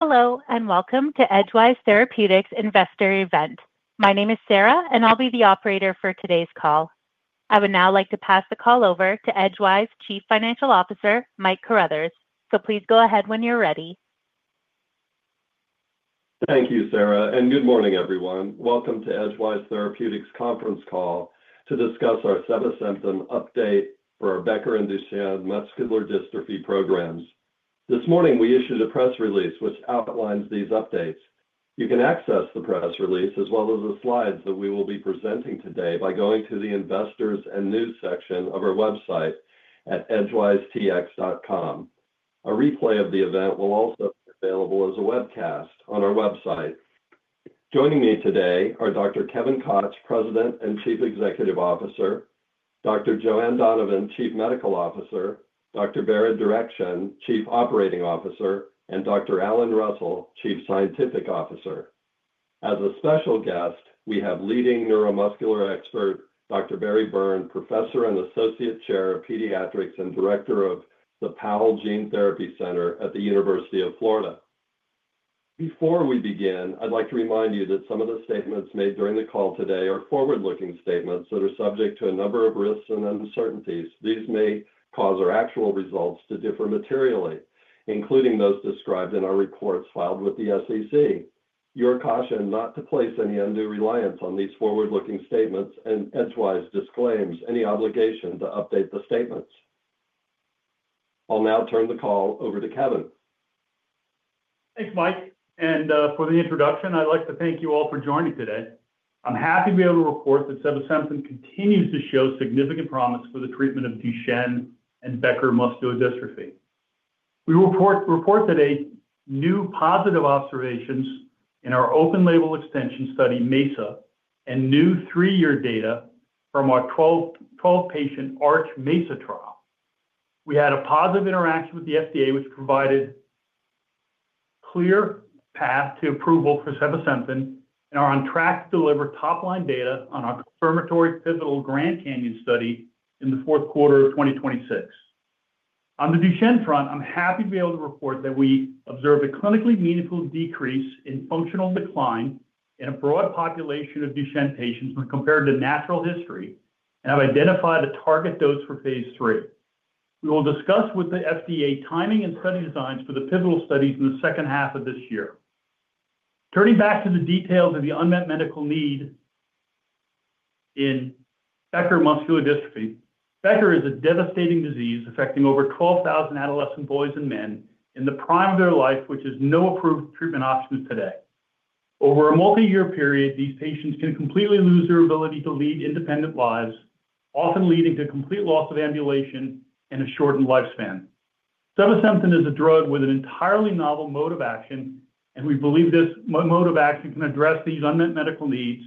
Hello, and welcome to Edgewise Therapeutics' investor event. My name is Sarah, and I'll be the operator for today's call. I would now like to pass the call over to Edgewise Chief Financial Officer, Mike Carruthers. Please go ahead when you're ready. Thank you, Sarah. Good morning, everyone. Welcome to Edgewise Therapeutics' conference call to discuss our sevasemten update for our Becker and Duchenne muscular dystrophy programs. This morning, we issued a press release which outlines these updates. You can access the press release, as well as the slides that we will be presenting today, by going to the Investors and News section of our website at edgewisetx.com. A replay of the event will also be available as a webcast on our website. Joining me today are Dr. Kevin Koch, President and Chief Executive Officer; Dr. Joanne Donovan, Chief Medical Officer; Dr. Behrad Derakhshan, Chief Operating Officer; and Dr. Alan Russell, Chief Scientific Officer. As a special guest, we have leading neuromuscular expert, Dr. Barry Byrne, Professor and Associate Chair of Pediatrics and Director of the Powell Gene Therapy Center at the University of Florida. Before we begin, I'd like to remind you that some of the statements made during the call today are forward-looking statements that are subject to a number of risks and uncertainties. These may cause our actual results to differ materially, including those described in our reports filed with the SEC. You are cautioned not to place any undue reliance on these forward-looking statements and Edgewise disclaims any obligation to update the statements. I'll now turn the call over to Kevin. Thanks, Mike. For the introduction, I'd like to thank you all for joining today. I'm happy to be able to report that sevasemten continues to show significant promise for the treatment of Duchenne and Becker muscular dystrophy. We report today new positive observations in our open-label extension study, MESA, and new three-year data from our 12-patient ARCH-MESA trial. We had a positive interaction with the FDA, which provided a clear path to approval for sevasemten, and are on track to deliver top-line data on our confirmatory pivotal Grand CANYON study in the fourth quarter of 2026. On the Duchenne front, I'm happy to be able to report that we observed a clinically meaningful decrease in functional decline in a broad population of Duchenne patients when compared to natural history, and have identified a target dose for phase III. We will discuss with the FDA timing and study designs for the pivotal studies in the second half of this year. Turning back to the details of the unmet medical need in Becker muscular dystrophy, Becker is a devastating disease affecting over 12,000 adolescent boys and men in the prime of their life, which has no approved treatment option today. Over a multi-year period, these patients can completely lose their ability to lead independent lives, often leading to complete loss of ambulation and a shortened lifespan. Sevasemten is a drug with an entirely novel mode of action, and we believe this mode of action can address these unmet medical needs.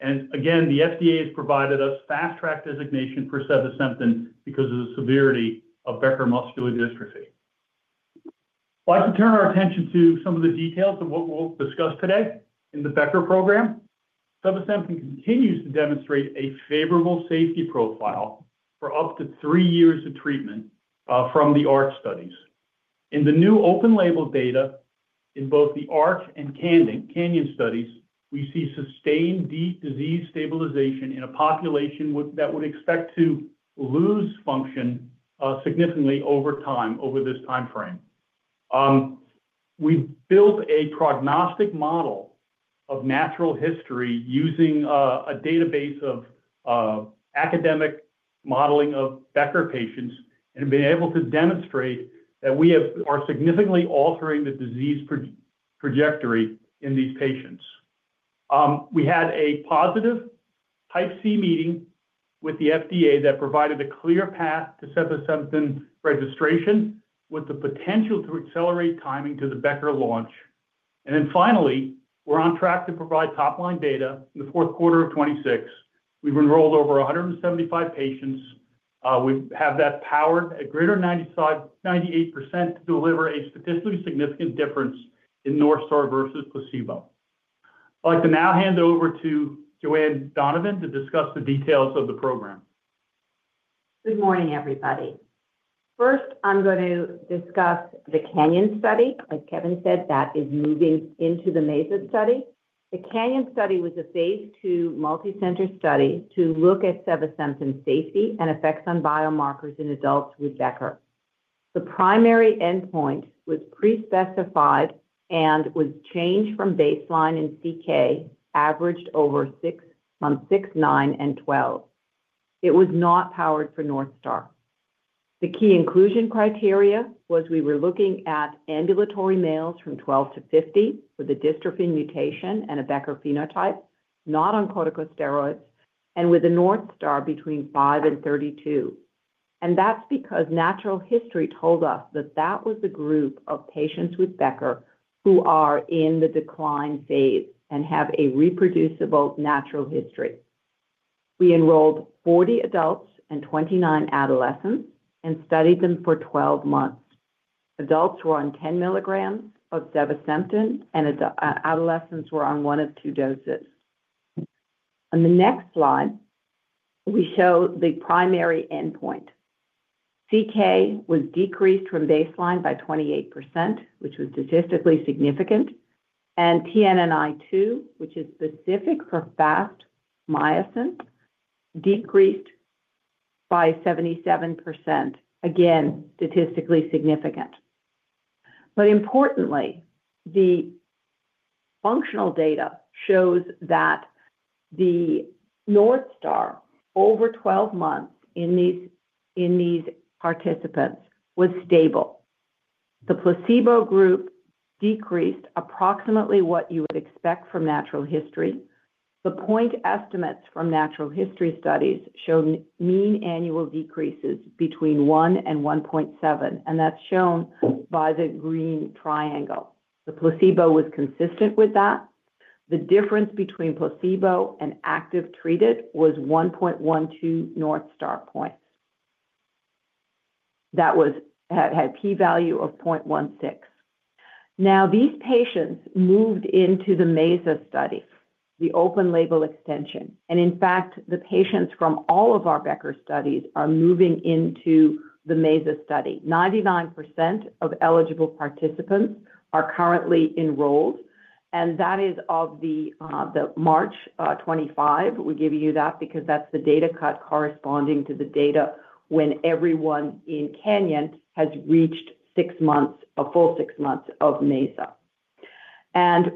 The FDA has provided us fast-track designation for sevasemten because of the severity of Becker muscular dystrophy. I'd like to turn our attention to some of the details of what we'll discuss today in the Becker program. Sevasemten continues to demonstrate a favorable safety profile for up to three years of treatment from the ARCH studies. In the new open-label data in both the ARCH and CANYON studies, we see sustained disease stabilization in a population that would expect to lose function significantly over time over this timeframe. We built a prognostic model of natural history using a database of academic modeling of Becker patients and have been able to demonstrate that we are significantly altering the disease trajectory in these patients. We had a positive type C meeting with the FDA that provided a clear path to sevasemten registration with the potential to accelerate timing to the Becker launch. Finally, we're on track to provide top-line data in the fourth quarter of 2026. We've enrolled over 175 patients. We have that powered at greater than 98% to deliver a statistically significant difference in North Star versus placebo. I'd like to now hand it over to Joanne Donovan to discuss the details of the program. Good morning, everybody. First, I'm going to discuss the CANYON study. Like Kevin said, that is moving into the MESA study. The CANYON study was a phase II multi-center study to look at sevasemten safety and effects on biomarkers in adults with Becker. The primary endpoint was pre-specified and was change from baseline in CK, averaged over six months, six, nine, and twelve. It was not powered for North Star. The key inclusion criteria was we were looking at ambulatory males from 12 to 50 with a dystrophin mutation and a Becker phenotype, not on corticosteroids, and with a North Star between five and 32. That is because natural history told us that that was the group of patients with Becker who are in the decline phase and have a reproducible natural history. We enrolled 40 adults and 29 adolescents and studied them for 12 months. Adults were on 10 milligrams of sevasemten, and adolescents were on one of two doses. On the next slide, we show the primary endpoint. CK was decreased from baseline by 28%, which was statistically significant, and TNNI2, which is specific for fast myosin, decreased by 77%. Again, statistically significant. Importantly, the functional data shows that the North Star over 12 months in these participants was stable. The placebo group decreased approximately what you would expect from natural history. The point estimates from natural history studies show mean annual decreases between 1 and 1.7, and that is shown by the green triangle. The placebo was consistent with that. The difference between placebo and active treated was 1.12 North Star points. That had a p-value of 0.16. These patients moved into the MESA study, the open-label extension. In fact, the patients from all of our Becker studies are moving into the MESA study 99% of eligible participants are currently enrolled, and that is as of March 2025. We're giving you that because that's the data cut corresponding to the data when everyone in CANYON has reached six months, a full six months of MESA.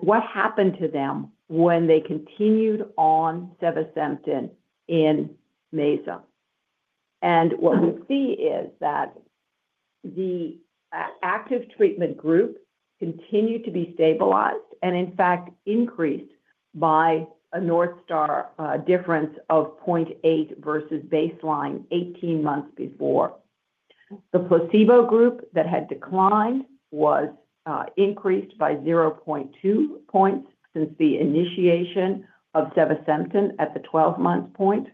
What happened to them when they continued on sevasemten in MESA? What we see is that the active treatment group continued to be stabilized and in fact increased by a North Star difference of 0.8 versus baseline 18 months before. The placebo group that had declined was increased by 0.2 points since the initiation of sevasemten at the 12-month point.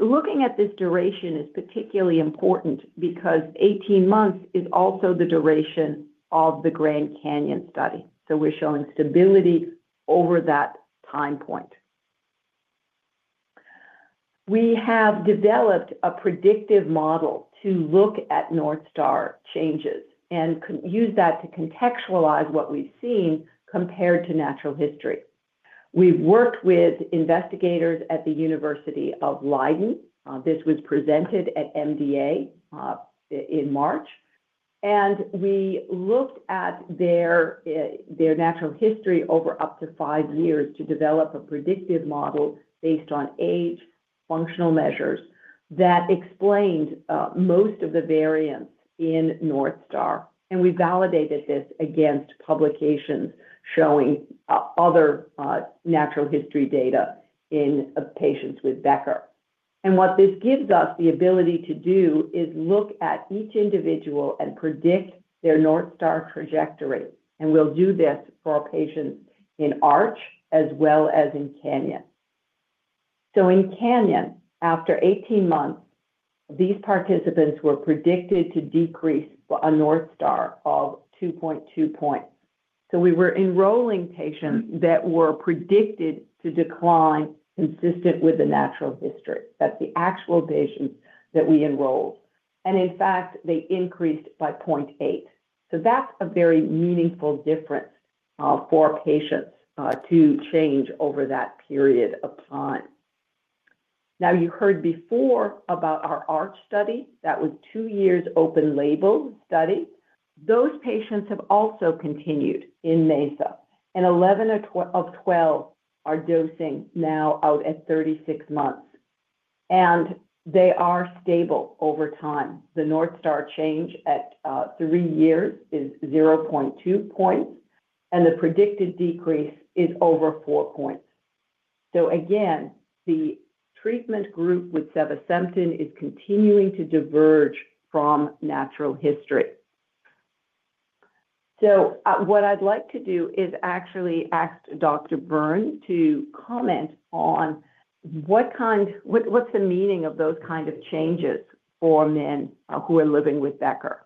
Looking at this duration is particularly important because 18 months is also the duration of the Grand CANYON study. We're showing stability over that time point. We have developed a predictive model to look at North Star changes and use that to contextualize what we've seen compared to natural history. We've worked with investigators at the University of Leiden. This was presented at MDA in March, and we looked at their natural history over up to five years to develop a predictive model based on age, functional measures that explained most of the variance in North Star. We validated this against publications showing other natural history data in patients with Becker. What this gives us the ability to do is look at each individual and predict their North Star trajectory. We'll do this for our patients in ARCH as well as in CANYON. In CANYON, after 18 months, these participants were predicted to decrease a North Star of 2.2 points. We were enrolling patients that were predicted to decline consistent with the natural history. That's the actual patients that we enrolled. In fact, they increased by 0.8. That's a very meaningful difference for patients to change over that period of time. You heard before about our ARCH study. That was two years open-label study. Those patients have also continued in MESA, and 11 of 12 are dosing now out at 36 months, and they are stable over time. The North Star change at three years is 0.2 points, and the predicted decrease is over four points. Again, the treatment group with sevasemten is continuing to diverge from natural history. What I'd like to do is actually ask Dr. Byrne to comment on what's the meaning of those kind of changes for men who are living with Becker.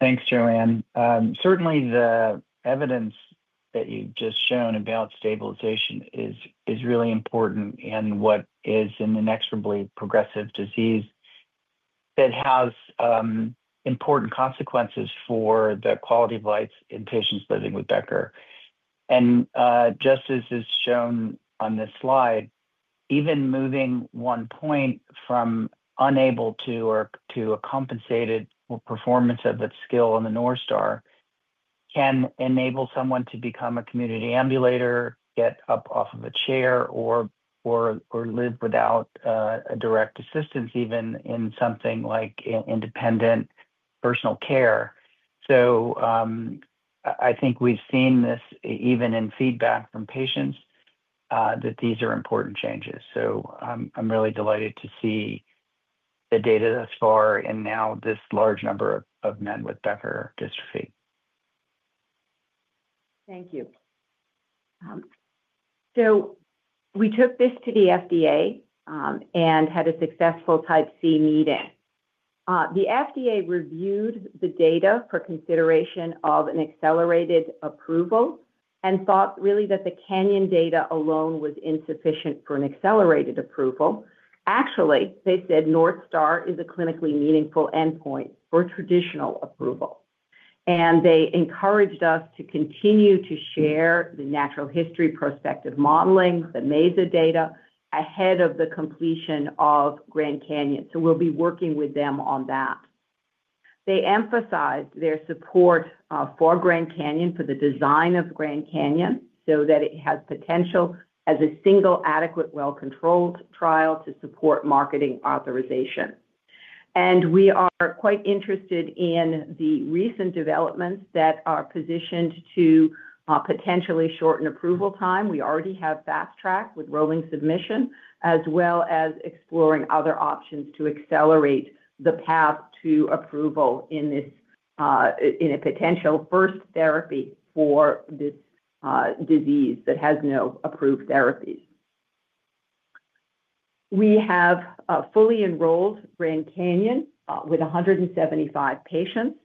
Thanks, Joanne. Certainly, the evidence that you've just shown about stabilization is really important in what is an inexorably progressive disease that has important consequences for the quality of life in patients living with Becker. Just as is shown on this slide, even moving one point from unable to or to a compensated performance of that skill on the North Star can enable someone to become a community ambulator, get up off of a chair, or live without direct assistance even in something like independent personal care. I think we've seen this even in feedback from patients that these are important changes. I'm really delighted to see the data thus far and now this large number of men with Becker dystrophy. Thank you. We took this to the FDA and had a successful type C meeting. The FDA reviewed the data for consideration of an accelerated approval and thought really that the CANYON data alone was insufficient for an accelerated approval. Actually, they said North Star is a clinically meaningful endpoint for traditional approval. They encouraged us to continue to share the natural history prospective modeling, the MESA data ahead of the completion of Grand CANYON. We will be working with them on that. They emphasized their support for Grand CANYON for the design of Grand CANYON so that it has potential as a single adequate well-controlled trial to support marketing authorization. We are quite interested in the recent developments that are positioned to potentially shorten approval time. We already have fast track with rolling submission as well as exploring other options to accelerate the path to approval in a potential first therapy for this disease that has no approved therapies. We have fully enrolled Grand CANYON with 175 patients.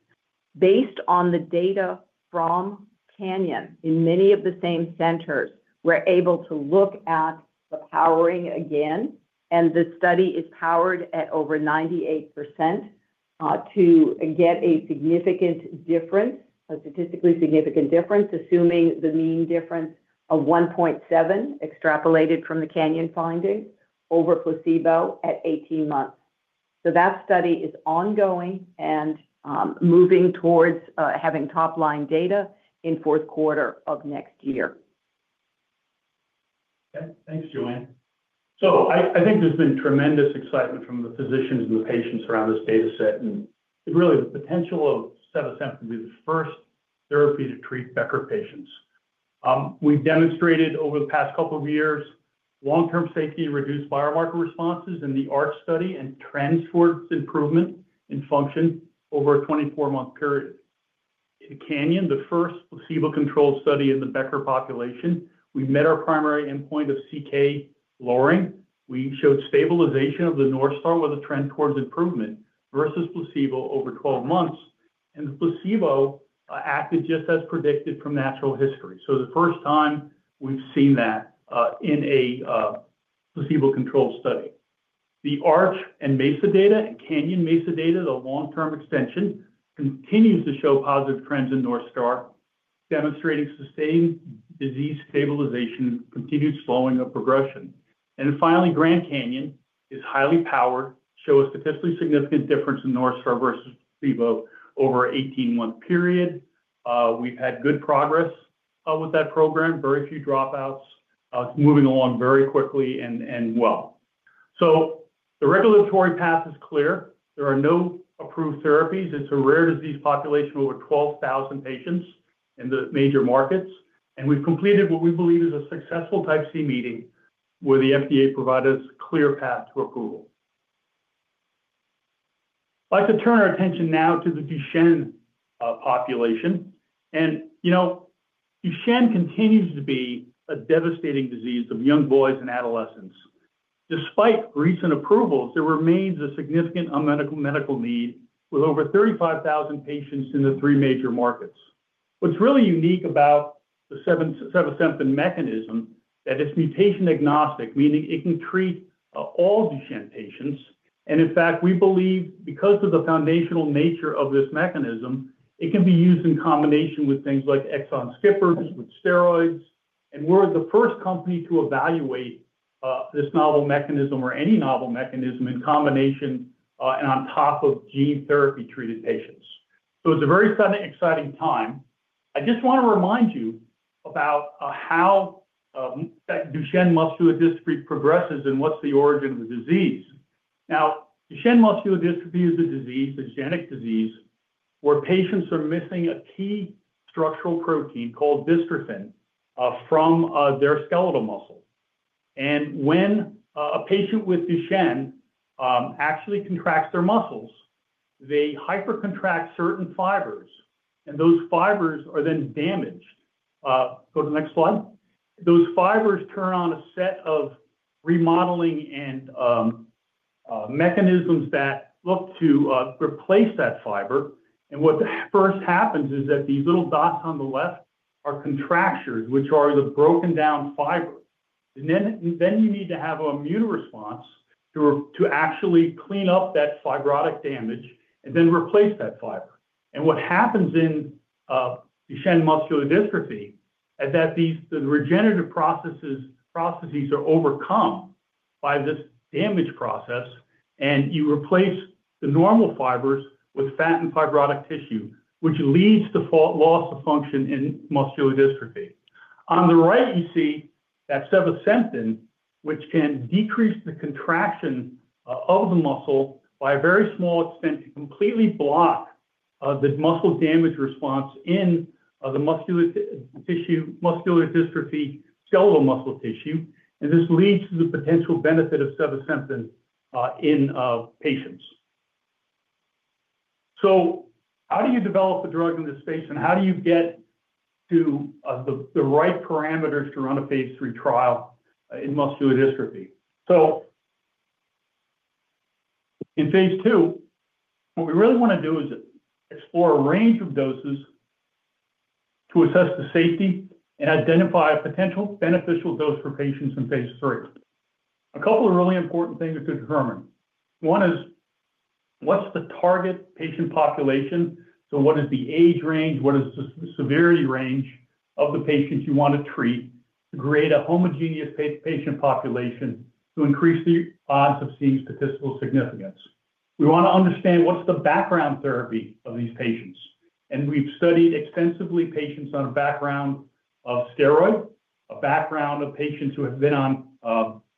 Based on the data from CANYON, in many of the same centers, we're able to look at the powering again, and the study is powered at over 98% to get a significant difference, a statistically significant difference, assuming the mean difference of 1.7 extrapolated from the CANYON findings over placebo at 18 months. That study is ongoing and moving towards having top-line data in fourth quarter of next year. Okay. Thanks, Joanne. I think there's been tremendous excitement from the physicians and the patients around this data set, and really the potential of sevasemten being the first therapy to treat Becker patients. We've demonstrated over the past couple of years long-term safety and reduced biomarker responses in the ARCH study and trends towards improvement in function over a 24-month period. In CANYON, the first placebo-controlled study in the Becker population, we met our primary endpoint of CK lowering. We showed stabilization of the North Star with a trend towards improvement versus placebo over 12 months, and the placebo acted just as predicted from natural history. The first time we've seen that in a placebo-controlled study. The ARCH and MESA data and CANYON MESA data, the long-term extension, continues to show positive trends in North Star, demonstrating sustained disease stabilization, continued slowing of progression. Finally, Grand CANYON is highly powered, show a statistically significant difference in North Star versus placebo over an 18-month period. We've had good progress with that program, very few dropouts. It's moving along very quickly and well. The regulatory path is clear. There are no approved therapies. It's a rare disease population, over 12,000 patients in the major markets. We've completed what we believe is a successful type C meeting where the FDA provided us a clear path to approval. I'd like to turn our attention now to the Duchenne population. Duchenne continues to be a devastating disease of young boys and adolescents. Despite recent approvals, there remains a significant unmet medical need with over 35,000 patients in the three major markets. What's really unique about the sevasemten mechanism is that it's mutation agnostic, meaning it can treat all Duchenne patients. In fact, we believe because of the foundational nature of this mechanism, it can be used in combination with things like exon skippers with steroids. We are the first company to evaluate this novel mechanism or any novel mechanism in combination and on top of gene therapy-treated patients. It is a very exciting time. I just want to remind you about how Duchenne muscular dystrophy progresses and what is the origin of the disease. Now, Duchenne muscular dystrophy is a genetic disease where patients are missing a key structural protein called dystrophin from their skeletal muscles. When a patient with Duchenne actually contracts their muscles, they hypercontract certain fibers, and those fibers are then damaged. Go to the next slide. Those fibers turn on a set of remodeling and mechanisms that look to replace that fiber. What first happens is that these little dots on the left are contractures, which are the broken down fiber. You need to have an immune response to actually clean up that fibrotic damage and then replace that fiber. What happens in Duchenne muscular dystrophy is that the regenerative processes are overcome by this damage process, and you replace the normal fibers with fat and fibrotic tissue, which leads to loss of function in muscular dystrophy. On the right, you see that sevasemten, which can decrease the contraction of the muscle by a very small extent to completely block the muscle damage response in the muscular dystrophy skeletal muscle tissue. This leads to the potential benefit of sevasemten in patients. How do you develop a drug in this space, and how do you get to the right parameters to run a phase III trial in muscular dystrophy? In phase II, what we really want to do is explore a range of doses to assess the safety and identify a potential beneficial dose for patients in phase III. A couple of really important things to determine. One is what's the target patient population? What is the age range? What is the severity range of the patients you want to treat to create a homogeneous patient population to increase the odds of seeing statistical significance? We want to understand what's the background therapy of these patients. We've studied extensively patients on a background of steroid, a background of patients who have been on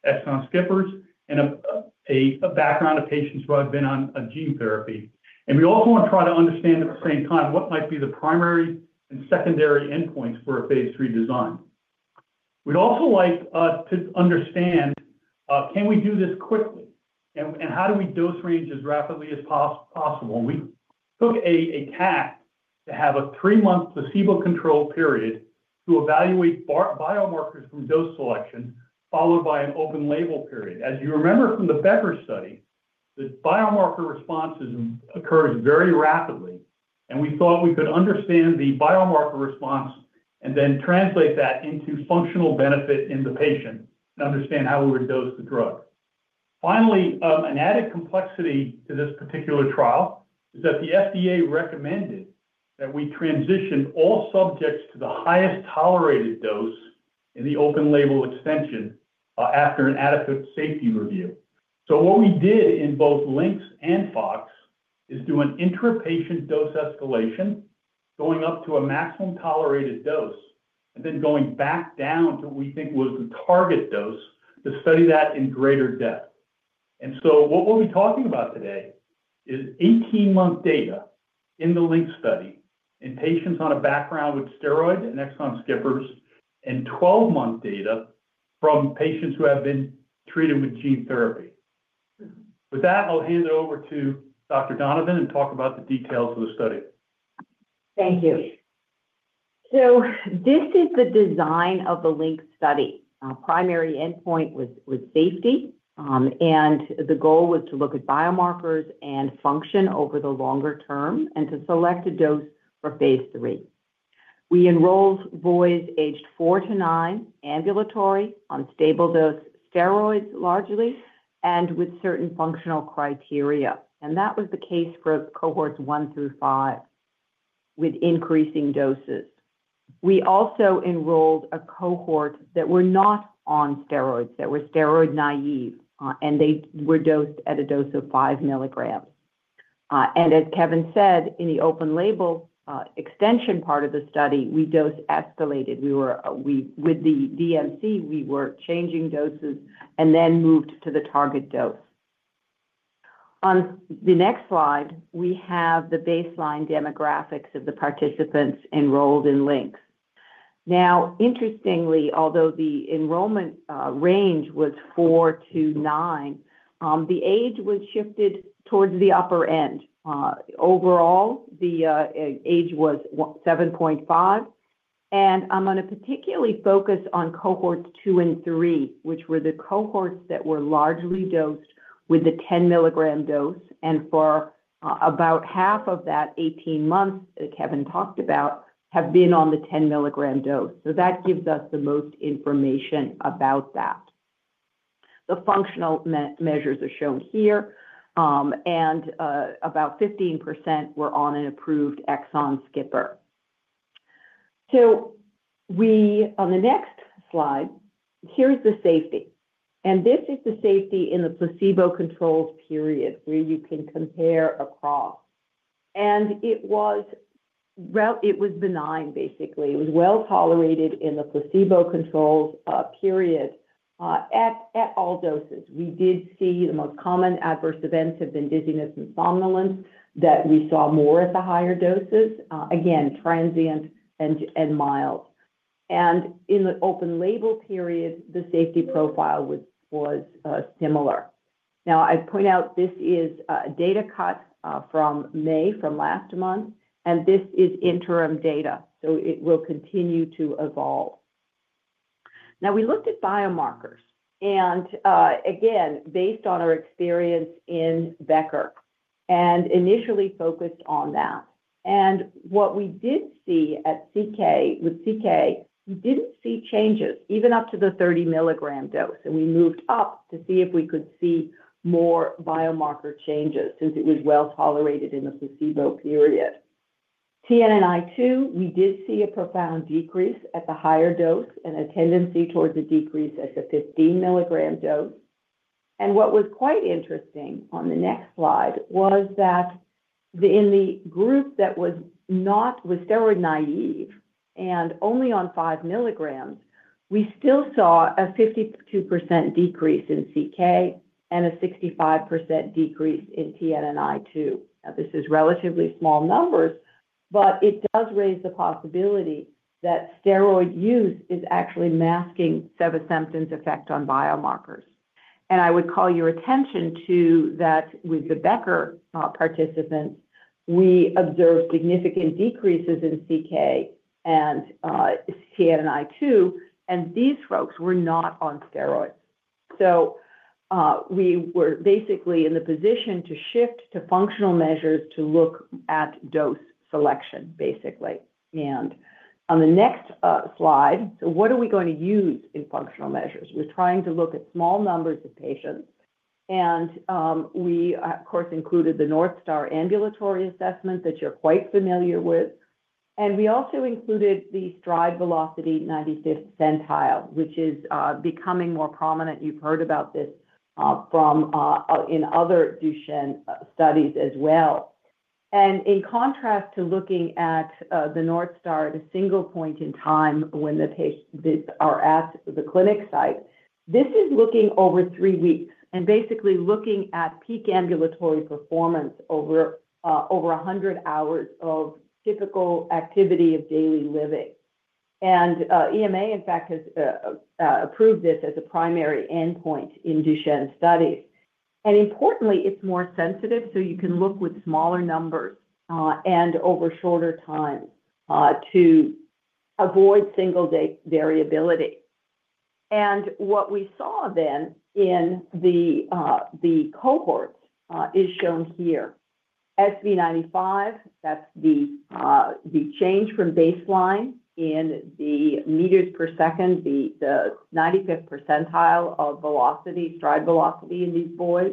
exon skippers, and a background of patients who have been on gene therapy. We also want to try to understand at the same time what might be the primary and secondary endpoints for a phase III design. We'd also like to understand, can we do this quickly? How do we dose range as rapidly as possible? We took a task to have a three-month placebo-controlled period to evaluate biomarkers from dose selection followed by an open label period. As you remember from the Becker study, the biomarker response occurs very rapidly, and we thought we could understand the biomarker response and then translate that into functional benefit in the patient and understand how we would dose the drug. Finally, an added complexity to this particular trial is that the FDA recommended that we transition all subjects to the highest tolerated dose in the open label extension after an adequate safety review. What we did in both LYNX and FOX is do an intrapatient dose escalation going up to a maximum tolerated dose and then going back down to what we think was the target dose to study that in greater depth. What we will be talking about today is 18-month data in the LYNX study in patients on a background with steroid and exon skippers and 12-month data from patients who have been treated with gene therapy. With that, I will hand it over to Dr. Donovan and talk about the details of the study. Thank you. This is the design of the LYNX study. Our primary endpoint was safety, and the goal was to look at biomarkers and function over the longer term and to select a dose for phase three. We enrolled boys aged four to nine, ambulatory, on stable dose steroids largely, and with certain functional criteria. That was the case for cohorts one through five with increasing doses. We also enrolled a cohort that were not on steroids, that were steroid naive, and they were dosed at a dose of 5 milligrams. As Kevin said, in the open label extension part of the study, we dose escalated. With the DMC, we were changing doses and then moved to the target dose. On the next slide, we have the baseline demographics of the participants enrolled in LYNX. Now, interestingly, although the enrollment range was four to nine, the age was shifted towards the upper end. Overall, the age was 7.5. I'm going to particularly focus on cohorts two and three, which were the cohorts that were largely dosed with the 10 milligram dose. For about half of that 18 months Kevin talked about, have been on the 10 milligram dose. That gives us the most information about that. The functional measures are shown here, and about 15% were on an approved exon skipper. On the next slide, here's the safety. This is the safety in the placebo-controlled period where you can compare across. It was benign, basically. It was well tolerated in the placebo-controlled period at all doses. We did see the most common adverse events have been dizziness and somnolence that we saw more at the higher doses, again, transient and mild. In the open label period, the safety profile was similar. I point out this is data cut from May from last month, and this is interim data. It will continue to evolve. We looked at biomarkers and, again, based on our experience in Becker and initially focused on that. What we did see with CK, we did not see changes even up to the 30 mg dose. We moved up to see if we could see more biomarker changes since it was well tolerated in the placebo period. TNNI2, we did see a profound decrease at the higher dose and a tendency towards a decrease at the 15 mg dose. What was quite interesting on the next slide was that in the group that was steroid naive and only on 5 mg, we still saw a 52% decrease in CK and a 65% decrease in TNNI2. This is relatively small numbers, but it does raise the possibility that steroid use is actually masking sevasemten effect on biomarkers. I would call your attention to that with the Becker participants, we observed significant decreases in CK and TNNI2, and these folks were not on steroids. We were basically in the position to shift to functional measures to look at dose selection, basically. On the next slide, what are we going to use in functional measures? We are trying to look at small numbers of patients. We, of course, included the North Star Ambulatory Assessment that you are quite familiar with. We also included the stride velocity 95th centile, which is becoming more prominent. You've heard about this in other Duchenne studies as well. In contrast to looking at the North Star at a single point in time when the patients are at the clinic site, this is looking over three weeks and basically looking at peak ambulatory performance over 100 hours of typical activity of daily living. EMA, in fact, has approved this as a primary endpoint in Duchenne studies. Importantly, it's more sensitive so you can look with smaller numbers and over shorter times to avoid single-day variability. What we saw then in the cohorts is shown here. SV95, that's the change from baseline in the meters per second, the 95th percentile of velocity, stride velocity in these boys.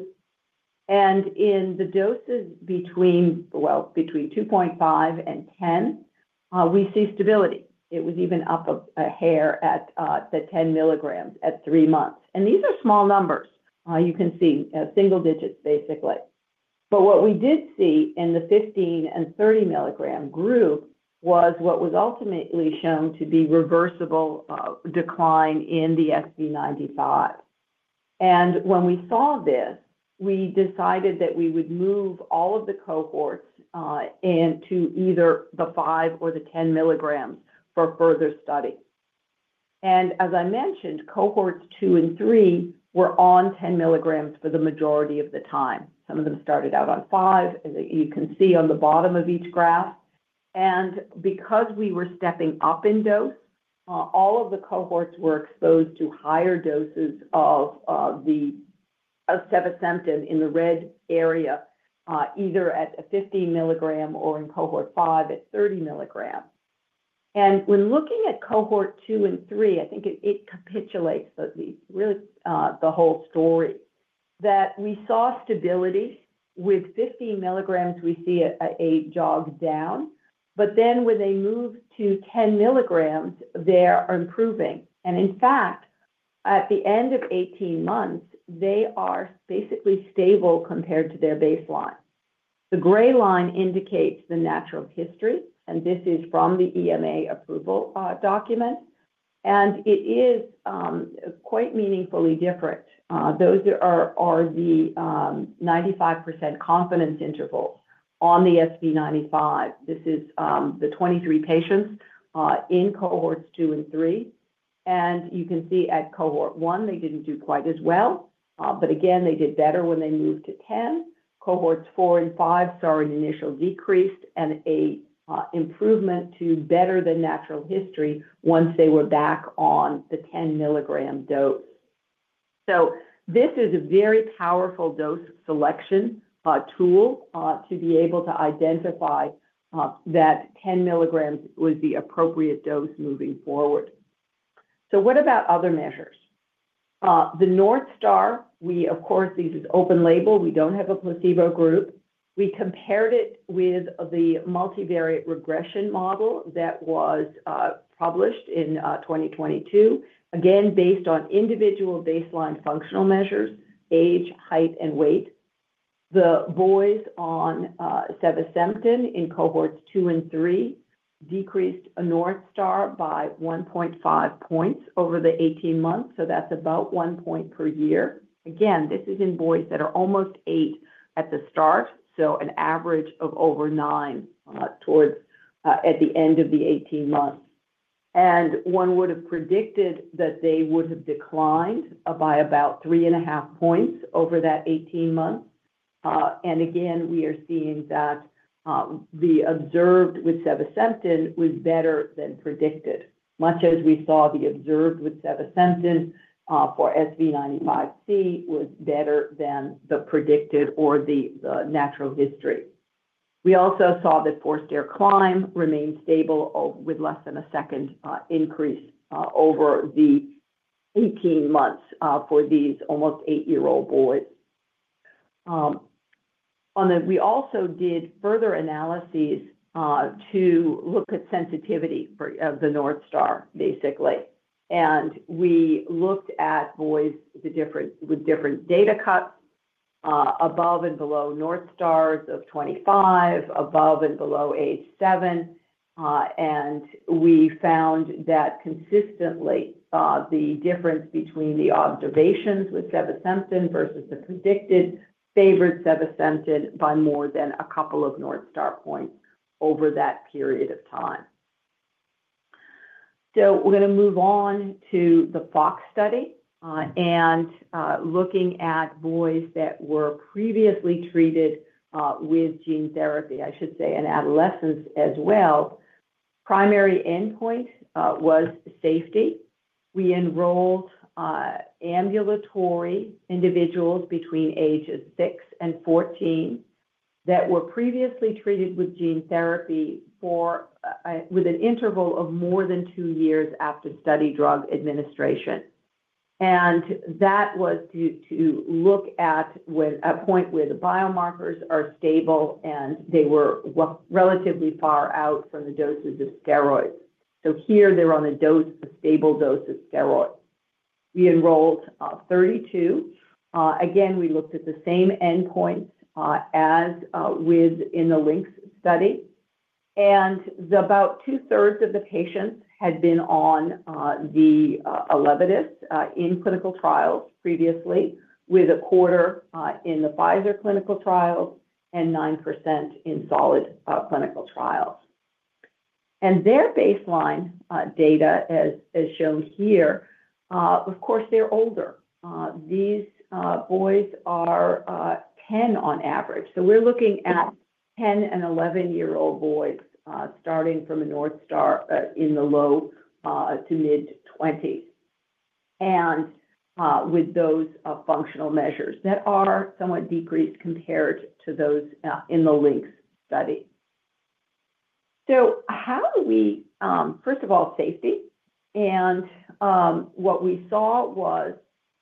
In the doses between 2.5 and 10, we see stability. It was even up a hair at the 10 milligrams at three months. These are small numbers. You can see single digits, basically. What we did see in the 15 milligram and 30 milligram group was what was ultimately shown to be reversible decline in the SV95. When we saw this, we decided that we would move all of the cohorts into either the 5 milligrams or the 10 milligrams for further study. As I mentioned, cohorts two and three were on 10 milligrams for the majority of the time. Some of them started out on 5, as you can see on the bottom of each graph. Because we were stepping up in dose, all of the cohorts were exposed to higher doses of sevasemten in the red area, either at 15 milligram or in cohort 5 at 30 milligram. When looking at cohort two and three, I think it capitulates the whole story that we saw stability with 15 milligrams, we see a jog down. Then when they move to 10 milligrams, they are improving. In fact, at the end of 18 months, they are basically stable compared to their baseline. The gray line indicates the natural history, and this is from the EMA approval document. It is quite meaningfully different. Those are the 95% confidence intervals on the SV95. This is the 23 patients in cohorts two and three. You can see at cohort one, they did not do quite as well. Again, they did better when they moved to 10. Cohorts four and five saw an initial decrease and an improvement to better the natural history once they were back on the 10 milligram dose. This is a very powerful dose selection tool to be able to identify that 10 mg was the appropriate dose moving forward. What about other measures? The North Star, we, of course, this is open label. We do not have a placebo group. We compared it with the multivariate regression model that was published in 2022, again, based on individual baseline functional measures, age, height, and weight. The boys on sevasemten in cohorts two and three decreased a North Star by 1.5 points over the 18 months. That is about one point per year. This is in boys that are almost eight at the start, so an average of over nine towards the end of the 18 months. One would have predicted that they would have declined by about three and a half points over that 18 months. We are seeing that the observed with sevasemten was better than predicted, much as we saw the observed with sevasemten for SV95C was better than the predicted or the natural history. We also saw that four stair climb remained stable with less than a second increase over the 18 months for these almost eight-year-old boys. We also did further analyses to look at sensitivity of the North Star, basically. We looked at boys with different data cuts above and below North Stars of 25, above and below age seven. We found that consistently the difference between the observations with sevasemten versus the predicted favored sevasemten by more than a couple of North Star points over that period of time. We're going to move on to the FOX study and looking at boys that were previously treated with gene therapy, I should say, in adolescence as well. Primary endpoint was safety. We enrolled ambulatory individuals between ages 6 and 14 that were previously treated with gene therapy with an interval of more than two years after study drug administration. That was to look at a point where the biomarkers are stable and they were relatively far out from the doses of steroids. Here, they're on a stable dose of steroids. We enrolled 32. Again, we looked at the same endpoints as within the LYNX study. About two-thirds of the patients had been on ELEVIDYS in clinical trials previously, with a quarter in the Pfizer clinical trials and 9% in Solid clinical trials. Their baseline data, as shown here, of course, they're older. These boys are 10 on average. We're looking at 10 and 11-year-old boys starting from a North Star in the low to mid-20s and with those functional measures that are somewhat decreased compared to those in the LYNX study. How do we, first of all, safety? What we saw was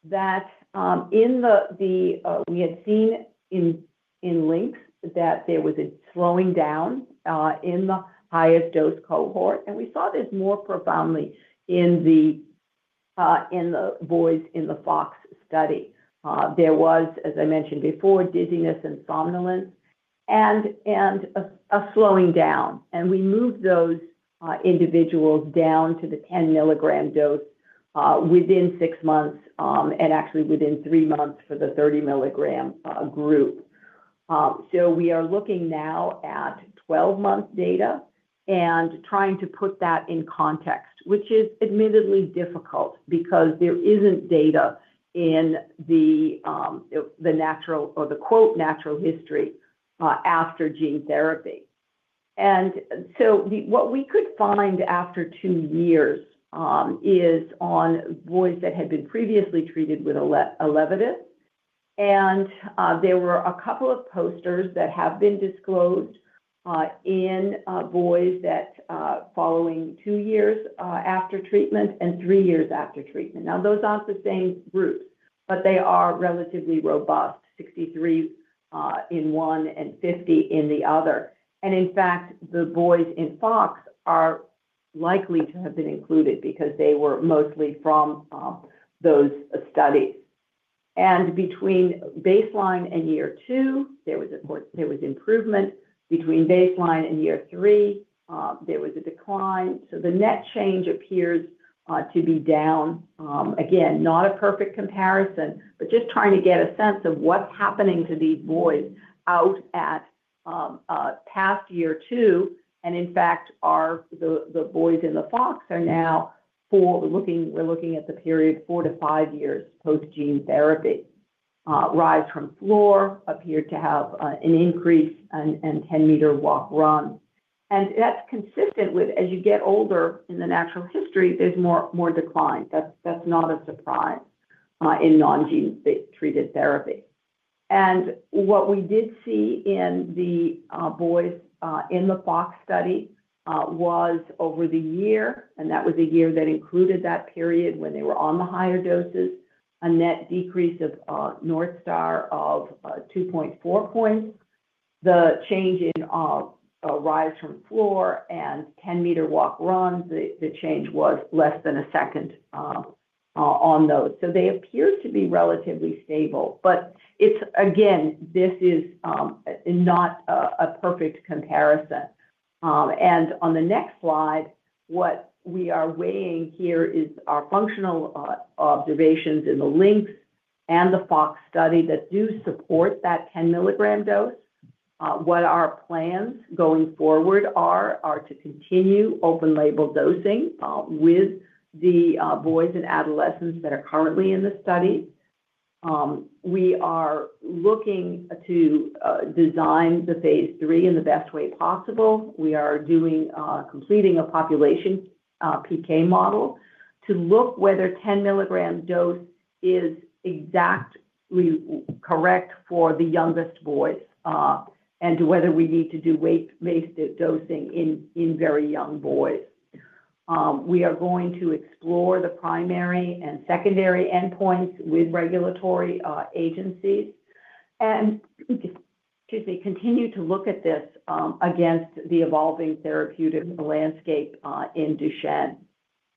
that we had seen in LYNX that there was a slowing down in the highest dose cohort. We saw this more profoundly in the boys in the FOX study. There was, as I mentioned before, dizziness and somnolence and a slowing down. We moved those individuals down to the 10 milligram dose within six months and actually within three months for the 30 milligram group. We are looking now at 12-month data and trying to put that in context, which is admittedly difficult because there is not data in the natural or the "natural history" after gene therapy. What we could find after two years is on boys that had been previously treated with ELEVIDYS. There were a couple of posters that have been disclosed in boys following two years after treatment and three years after treatment. Those are not the same groups, but they are relatively robust, 63 in one and 50 in the other. In fact, the boys in FOX are likely to have been included because they were mostly from those studies. Between baseline and year two, there was improvement. Between baseline and year three, there was a decline. The net change appears to be down. Again, not a perfect comparison, but just trying to get a sense of what's happening to these boys out at past year two. In fact, the boys in the FOX are now looking at the period four to five years post-gene therapy. Rise from floor appeared to have an increase and 10-meter walk/run. That's consistent with, as you get older in the natural history, there's more decline. That's not a surprise in non-gene-treated therapy. What we did see in the boys in the FOX study was over the year, and that was a year that included that period when they were on the higher doses, a net decrease of North Star of 2.4 points. The change in rise from floor and 10-meter walk/run, the change was less than a second on those. They appear to be relatively stable. This is not a perfect comparison. On the next slide, what we are weighing here is our functional observations in the LYNX and the FOX study that do support that 10 mg dose. What our plans going forward are to continue open label dosing with the boys and adolescents that are currently in the study. We are looking to design the phase III in the best way possible. We are completing a population PK model to look at whether the 10 mg dose is exactly correct for the youngest boys and whether we need to do weight-based dosing in very young boys. We are going to explore the primary and secondary endpoints with regulatory agencies and continue to look at this against the evolving therapeutic landscape in Duchenne.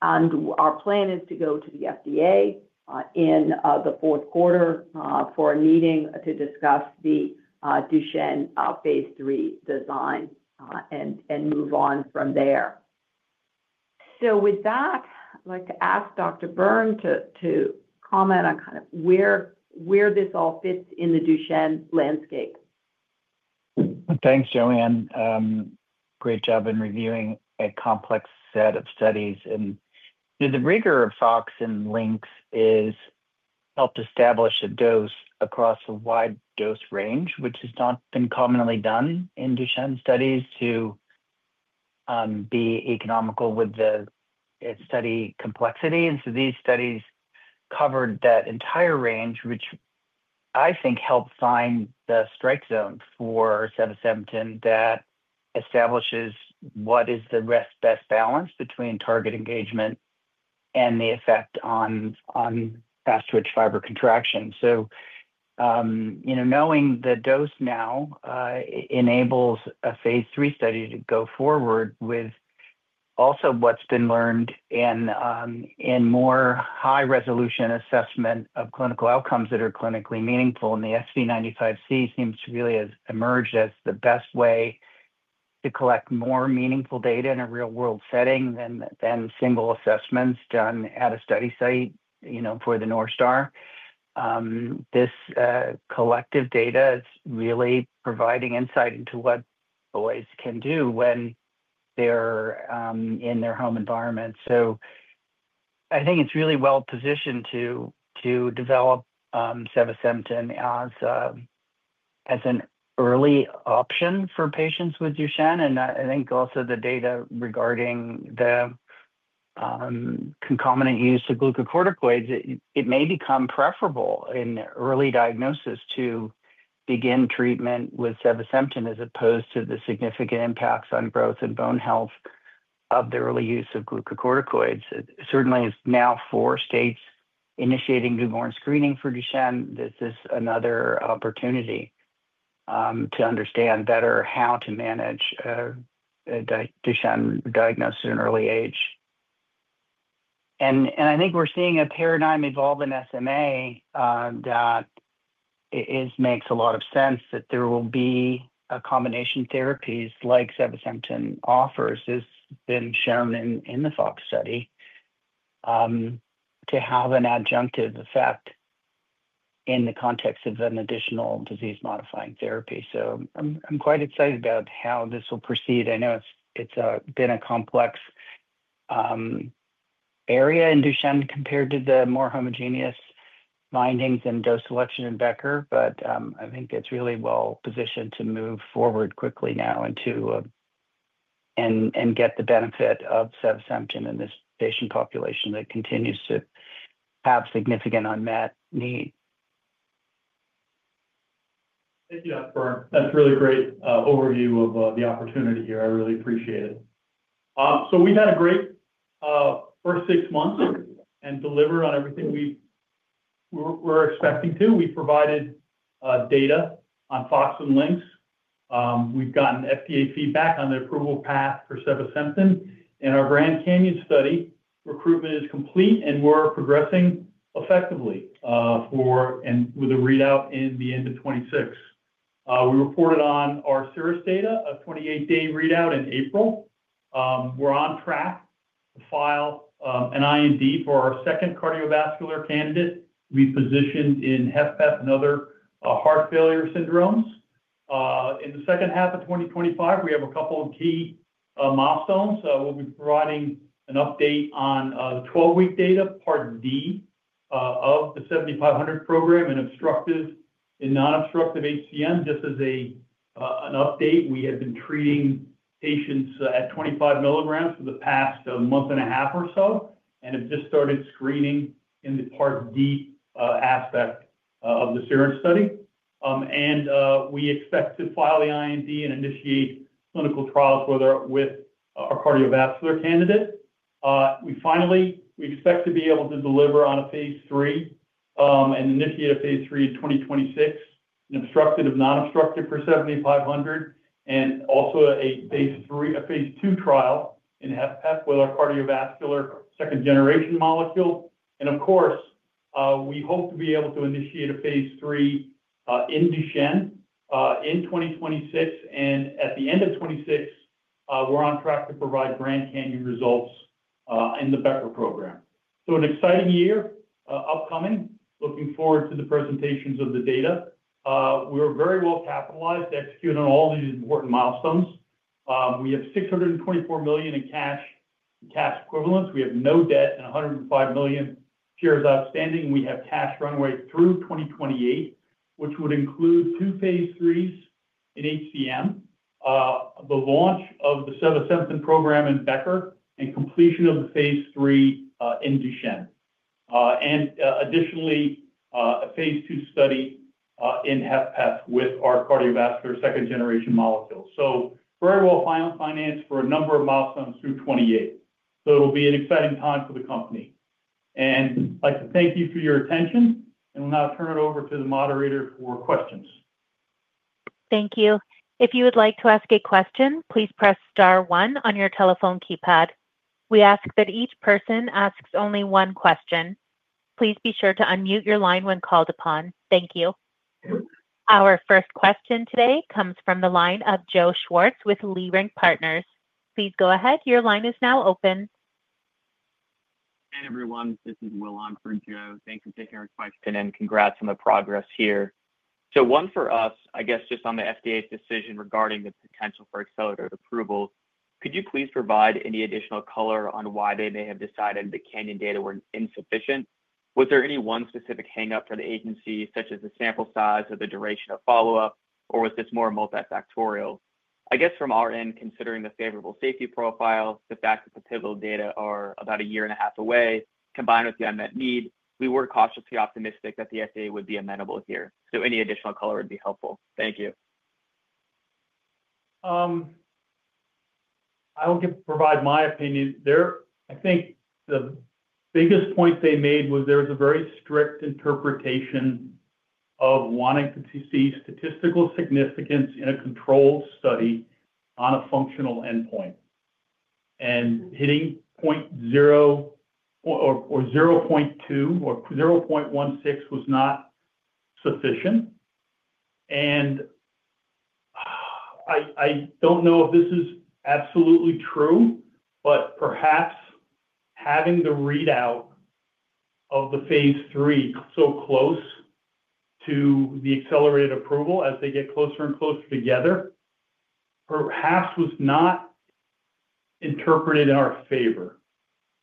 Our plan is to go to the FDA in the fourth quarter for a meeting to discuss the Duchenne phase III design and move on from there. With that, I'd like to ask Dr. Byrne to comment on kind of where this all fits in the Duchenne landscape. Thanks, Joanne. Great job in reviewing a complex set of studies. The rigor of FOX and LYNX has helped establish a dose across a wide dose range, which has not been commonly done in Duchenne studies to be economical with the study complexity. These studies covered that entire range, which I think helped find the strike zone for sevasemten that establishes what is the best balance between target engagement and the effect on fast-twitch fiber contraction. Knowing the dose now enables a phase III study to go forward with also what has been learned in more high-resolution assessment of clinical outcomes that are clinically meaningful. The SV95C seems to really have emerged as the best way to collect more meaningful data in a real-world setting than single assessments done at a study site for the North Star. This collective data is really providing insight into what boys can do when they are in their home environment. I think it is really well-positioned to develop sevasemten as an early option for patients with Duchenne. I think also the data regarding the concomitant use of glucocorticoids, it may become preferable in early diagnosis to begin treatment with sevasemten as opposed to the significant impacts on growth and bone health of the early use of glucocorticoids. Certainly, now four states initiating newborn screening for Duchenne. This is another opportunity to understand better how to manage Duchenne diagnosis at an early age. I think we're seeing a paradigm evolve in SMA that makes a lot of sense that there will be a combination of therapies like sevasemten offers, has been shown in the FOX study to have an adjunctive effect in the context of an additional disease-modifying therapy. I'm quite excited about how this will proceed. I know it's been a complex area in Duchenne compared to the more homogeneous findings and dose selection in Becker, but I think it's really well-positioned to move forward quickly now and get the benefit of sevasemten in this patient population that continues to have significant unmet need. Thank you, Dr. Byrne. That's a really great overview of the opportunity here. I really appreciate it. We've had a great first six months and delivered on everything we were expecting to. We provided data on FOX and LYNX. We've gotten FDA feedback on the approval path for sevasemten. In our Grand CANYON study, recruitment is complete, and we're progressing effectively with a readout in the end of 2026. We reported on our SIRIS data of 28-day readout in April. We're on track to file an IND for our second cardiovascular candidate. We've positioned in HFpEF and other heart failure syndromes. In the second half of 2025, we have a couple of key milestones. We'll be providing an update on the 12-week data, part D of the 7500 program and non-obstructive HCM. This is an update. We have been treating patients at 25 mg for the past month and a half or so and have just started screening in the part D aspect of the SIRIS study. We expect to file the IND and initiate clinical trials with our cardiovascular candidate. Finally, we expect to be able to deliver on a phase III and initiate a phase III in 2026, an obstructive and non-obstructive for 7500, and also a phase II trial in HFpEF with our cardiovascular second-generation molecule. Of course, we hope to be able to initiate a phase three in Duchenne in 2026. At the end of 2026, we're on track to provide Grand CANYON results in the Becker program. An exciting year is upcoming. Looking forward to the presentations of the data. We're very well capitalized, executing on all these important milestones. We have $624 million in cash equivalents. We have no debt and 105 million shares outstanding. We have cash runway through 2028, which would include two phase III in HCM, the launch of the sevasemten program in Becker, and completion of the phase III in Duchenne. Additionally, a phase II study in HFpEF with our cardiovascular second-generation molecules. Very well-financed for a number of milestones through 2028. It will be an exciting time for the company. I would like to thank you for your attention. I will now turn it over to the moderator for questions. Thank you. If you would like to ask a question, please press star one on your telephone keypad. We ask that each person asks only one question. Please be sure to unmute your line when called upon. Thank you. Our first question today comes from the line of Joe Schwartz with Leerink Partners. Please go ahead. Your line is now open. Hey, everyone. This is Whelan from Joe. Thanks for taking our question and congrats on the progress here. One for us, I guess, just on the FDA's decision regarding the potential for accelerated approval. Could you please provide any additional color on why they may have decided the CANYON data were insufficient? Was there any one specific hang-up for the agency, such as the sample size or the duration of follow-up, or was this more multifactorial? I guess from our end, considering the favorable safety profile, the fact that the pivotal data are about a year and a half away, combined with the unmet need, we were cautiously optimistic that the FDA would be amenable here. Any additional color would be helpful. Thank you. I'll provide my opinion. I think the biggest point they made was there was a very strict interpretation of wanting to see statistical significance in a controlled study on a functional endpoint. Hitting 0.2 or 0.16 was not sufficient. I do not know if this is absolutely true, but perhaps having the readout of the phase III so close to the accelerated approval as they get closer and closer together, perhaps was not interpreted in our favor.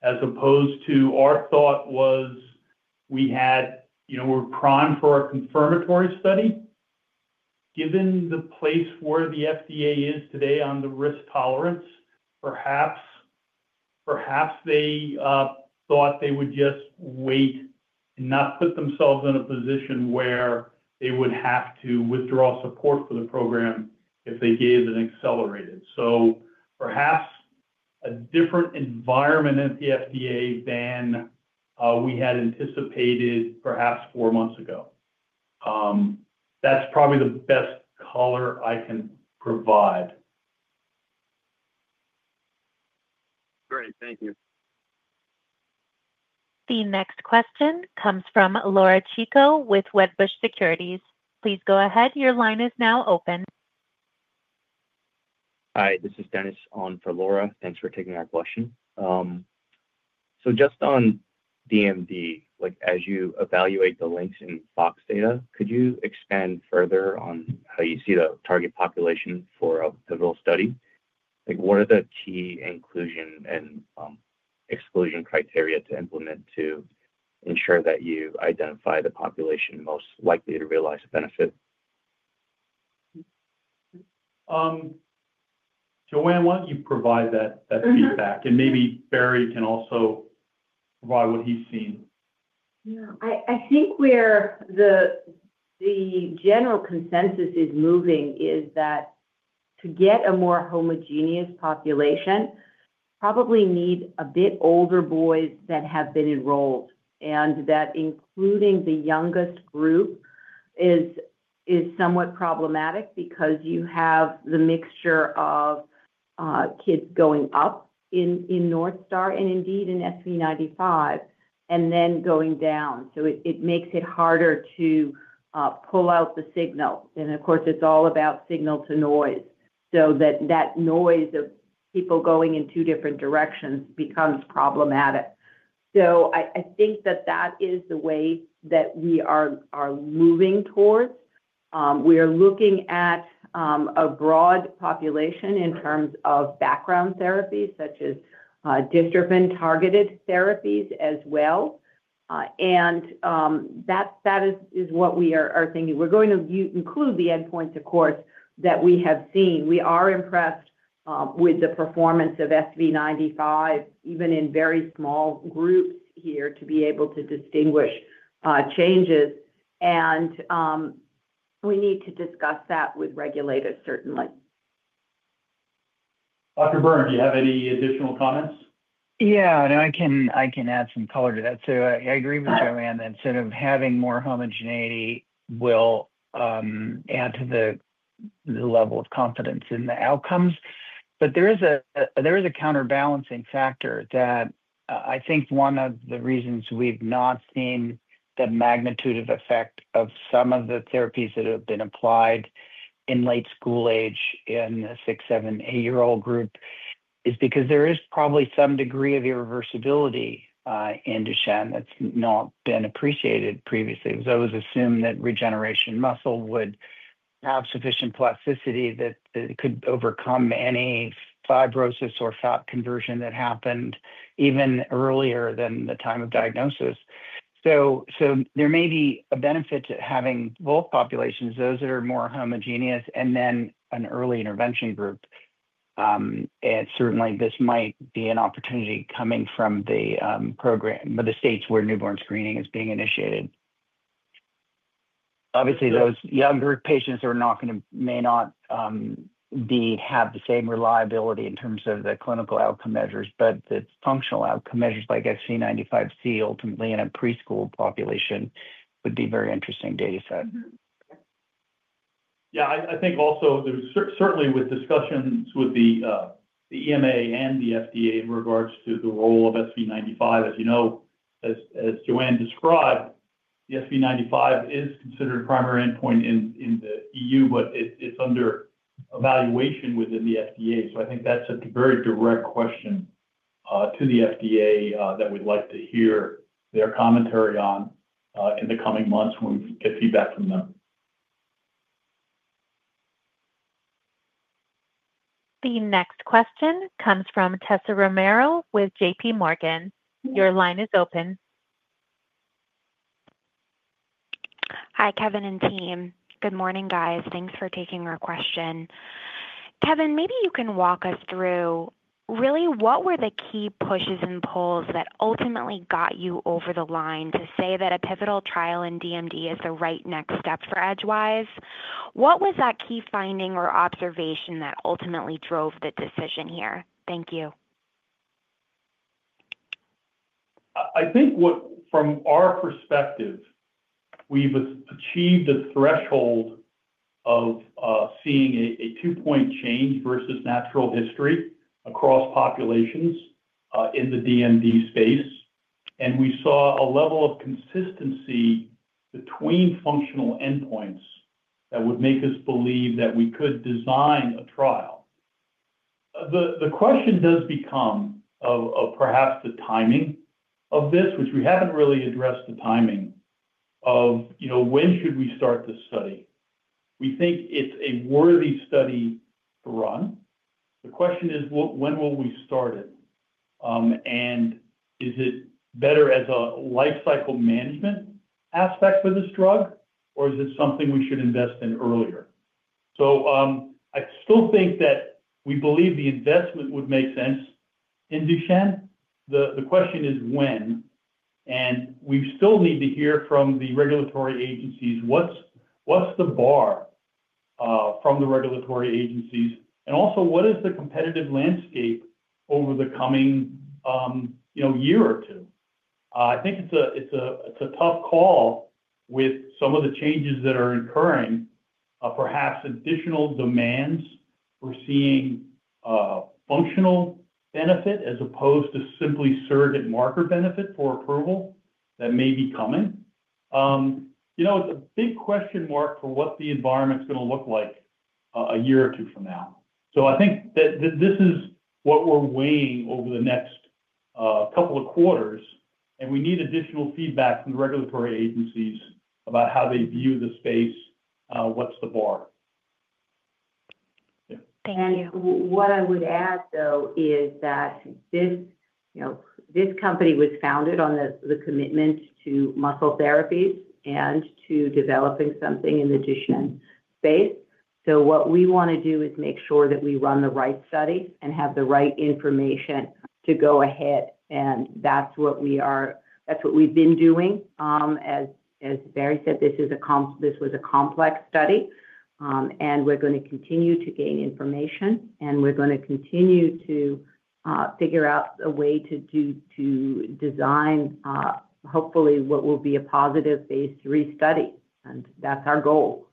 As opposed to our thought was we were primed for a confirmatory study. Given the place where the FDA is today on the risk tolerance, perhaps they thought they would just wait and not put themselves in a position where they would have to withdraw support for the program if they gave an accelerated. Perhaps a different environment at the FDA than we had anticipated perhaps four months ago. That's probably the best color I can provide. Great. Thank you. The next question comes from Laura Chico with Wedbush Securities. Please go ahead. Your line is now open. Hi. This is Dennis on for Laura. Thanks for taking our question. So just on DMD, as you evaluate the LYNX and FOX data, could you expand further on how you see the target population for a pivotal study? What are the key inclusion and exclusion criteria to implement to ensure that you identify the population most likely to realize benefit? Joanne, why don't you provide that feedback? Maybe Barry can also provide what he's seen. Yeah. I think where the general consensus is moving is that to get a more homogeneous population, probably need a bit older boys that have been enrolled. Including the youngest group is somewhat problematic because you have the mixture of kids going up in North Star and indeed in SV95 and then going down. It makes it harder to pull out the signal. It is all about signal to noise. That noise of people going in two different directions becomes problematic. I think that is the way that we are moving towards. We are looking at a broad population in terms of background therapies, such as discipline-targeted therapies as well. That is what we are thinking. We are going to include the endpoints, of course, that we have seen. We are impressed with the performance of SV95, even in very small groups here, to be able to distinguish changes. We need to discuss that with regulators, certainly. Dr. Byrne, do you have any additional comments? Yeah. I can add some color to that. I agree with Joanne that instead of having more homogeneity, we will add to the level of confidence in the outcomes. There is a counterbalancing factor that I think one of the reasons we have not seen the magnitude of effect of some of the therapies that have been applied in late school age in the six, seven, eight-year-old group is because there is probably some degree of irreversibility in Duchenne that has not been appreciated previously. It was always assumed that regeneration muscle would have sufficient plasticity that it could overcome any fibrosis or fat conversion that happened even earlier than the time of diagnosis. There may be a benefit to having both populations, those that are more homogeneous, and then an early intervention group. Certainly, this might be an opportunity coming from the program, the states where newborn screening is being initiated. Obviously, those younger patients may not have the same reliability in terms of the clinical outcome measures, but the functional outcome measures like SV95C, ultimately, in a preschool population would be a very interesting data set. Yeah. I think also, certainly, with discussions with the EMA and the FDA in regards to the role of SV95, as Joanne described, the SV95 is considered a primary endpoint in the EU, but it's under evaluation within the FDA. I think that's a very direct question to the FDA that we'd like to hear their commentary on in the coming months when we get feedback from them. The next question comes from Tessa Romero with JPMorgan. Your line is open. Hi, Kevin and team. Good morning, guys. Thanks for taking our question. Kevin, maybe you can walk us through, really, what were the key pushes and pulls that ultimately got you over the line to say that a pivotal trial in DMD is the right next step for Edgewise? What was that key finding or observation that ultimately drove the decision here? Thank you. I think from our perspective, we've achieved a threshold of seeing a two-point change versus natural history across populations in the DMD space. And we saw a level of consistency between functional endpoints that would make us believe that we could design a trial. The question does become of perhaps the timing of this, which we haven't really addressed the timing of when should we start this study. We think it's a worthy study to run. The question is, when will we start it? Is it better as a lifecycle management aspect for this drug, or is it something we should invest in earlier? I still think that we believe the investment would make sense in Duchenne. The question is when. We still need to hear from the regulatory agencies, what's the bar from the regulatory agencies, and also what is the competitive landscape over the coming year or two? I think it's a tough call with some of the changes that are occurring, perhaps additional demands. We're seeing functional benefit as opposed to simply surrogate marker benefit for approval that may be coming. It's a big question mark for what the environment's going to look like a year or two from now. I think that this is what we're weighing over the next couple of quarters. We need additional feedback from the regulatory agencies about how they view the space, what's the bar. Thank you. What I would add, though, is that this company was founded on the commitment to muscle therapies and to developing something in the Duchenne space. What we want to do is make sure that we run the right study and have the right information to go ahead. That's what we've been doing. As Barry said, this was a complex study. We're going to continue to gain information. We're going to continue to figure out a way to design, hopefully, what will be a positive phase III study. That's our goal.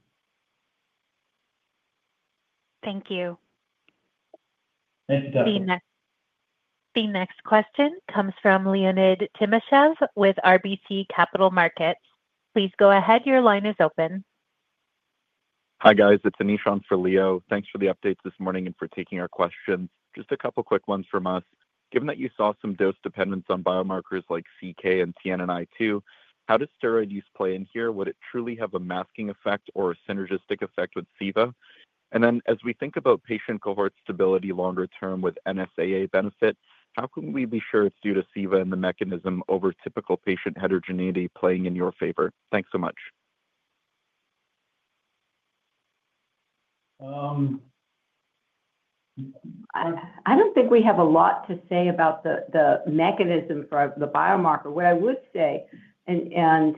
Thank you. Thank you, Tessa. The next question comes from Leonid Timashev with RBC Capital Markets. Please go ahead. Your line is open. Hi, guys. It's Anishan from Leo. Thanks for the updates this morning and for taking our questions. Just a couple of quick ones from us. Given that you saw some dose dependence on biomarkers like CK and TNNI2, how does steroid use play in here? Would it truly have a masking effect or a synergistic effect with Seva? As we think about patient cohort stability longer term with NSAA benefit, how can we be sure it's due to Seva and the mechanism over typical patient heterogeneity playing in your favor? Thanks so much. I don't think we have a lot to say about the mechanism for the biomarker. What I would say, and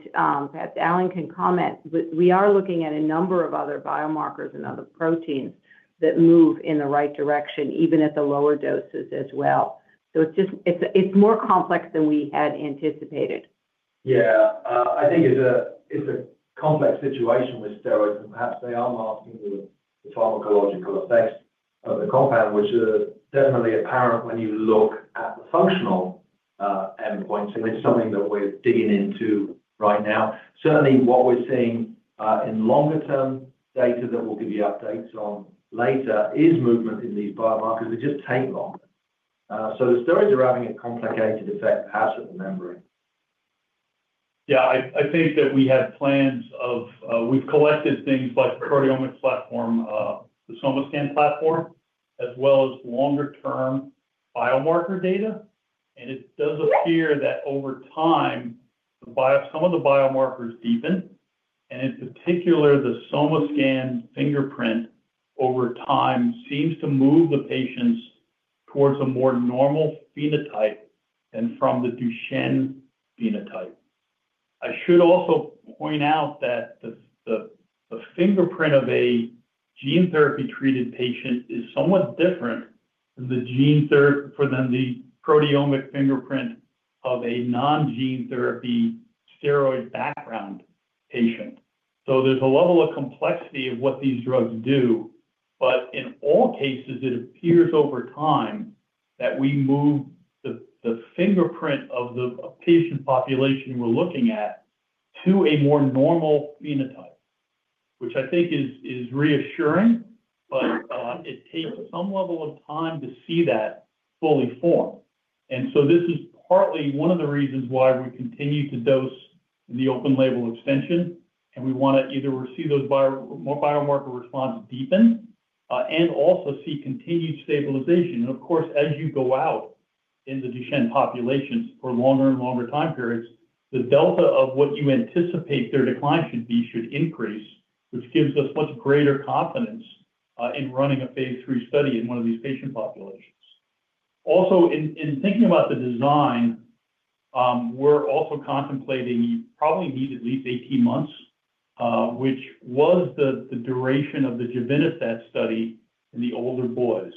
perhaps Alan can comment, we are looking at a number of other biomarkers and other proteins that move in the right direction, even at the lower doses as well. It is more complex than we had anticipated. Yeah. I think it's a complex situation with steroids. Perhaps they are masking the pharmacological effects of the compound, which is definitely apparent when you look at the functional endpoints. It's something that we're digging into right now. Certainly, what we're seeing in longer-term data that we'll give you updates on later is movement in these biomarkers. They just take longer. The steroids are having a complicated effect perhaps on the membrane. I think that we have plans of we've collected things like the CardiOmix platform, the SomaScan platform, as well as longer-term biomarker data. It does appear that over time, some of the biomarkers deepen. In particular, the SomaScan fingerprint over time seems to move the patients towards a more normal phenotype than from the Duchenne phenotype. I should also point out that the fingerprint of a gene therapy-treated patient is somewhat different than the proteomic fingerprint of a non-gene therapy steroid background patient. There is a level of complexity of what these drugs do. In all cases, it appears over time that we move the fingerprint of the patient population we are looking at to a more normal phenotype, which I think is reassuring. It takes some level of time to see that fully form. This is partly one of the reasons why we continue to dose in the open-label extension. We want to either see those biomarker responses deepen and also see continued stabilization. Of course, as you go out in the Duchenne populations for longer and longer time periods, the delta of what you anticipate their decline should be should increase, which gives us much greater confidence in running a phase III study in one of these patient populations. Also, in thinking about the design, we're also contemplating you probably need at least 18 months, which was the duration of the juveni-set study in the older boys.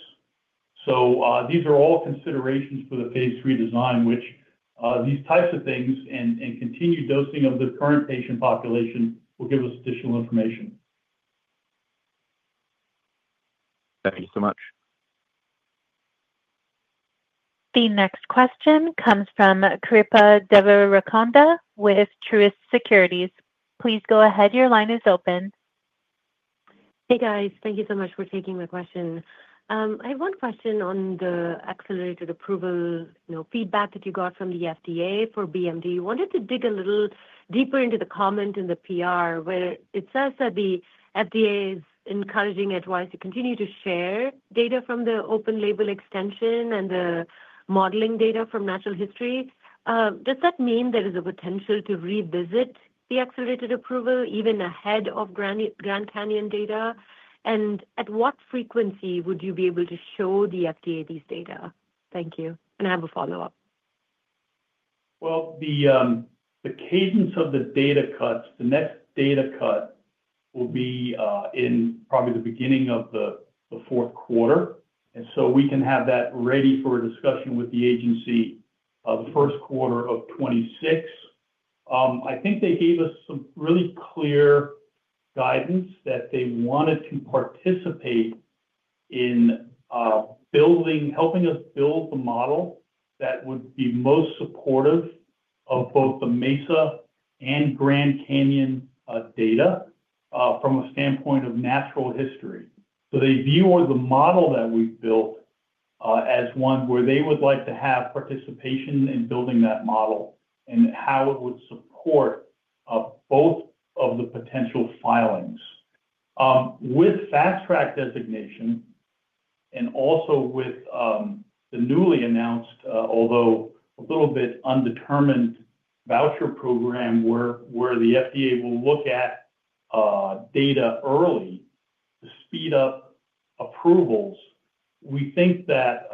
These are all considerations for the phase III design, which these types of things and continued dosing of the current patient population will give us additional information. Thank you so much. The next question comes from Kripa Devarakonda with Truist Securities. Please go ahead. Your line is open. Hey, guys. Thank you so much for taking my question. I have one question on the accelerated approval feedback that you got from the FDA for BMD. I wanted to dig a little deeper into the comment in the PR, where it says that the FDA is encouraging Edgewise to continue to share data from the open-label extension and the modeling data from natural history. Does that mean there is a potential to revisit the accelerated approval even ahead of Grand CANYON data? At what frequency would you be able to show the FDA these data? Thank you. I have a follow-up. The cadence of the data cuts, the next data cut will be in probably the beginning of the fourth quarter. We can have that ready for a discussion with the agency the first quarter of 2026. I think they gave us some really clear guidance that they wanted to participate in helping us build the model that would be most supportive of both the MESA and Grand CANYON data from a standpoint of natural history. They view the model that we've built as one where they would like to have participation in building that model and how it would support both of the potential filings. With fast-track designation and also with the newly announced, although a little bit undetermined, voucher program where the FDA will look at data early to speed up approvals, we think that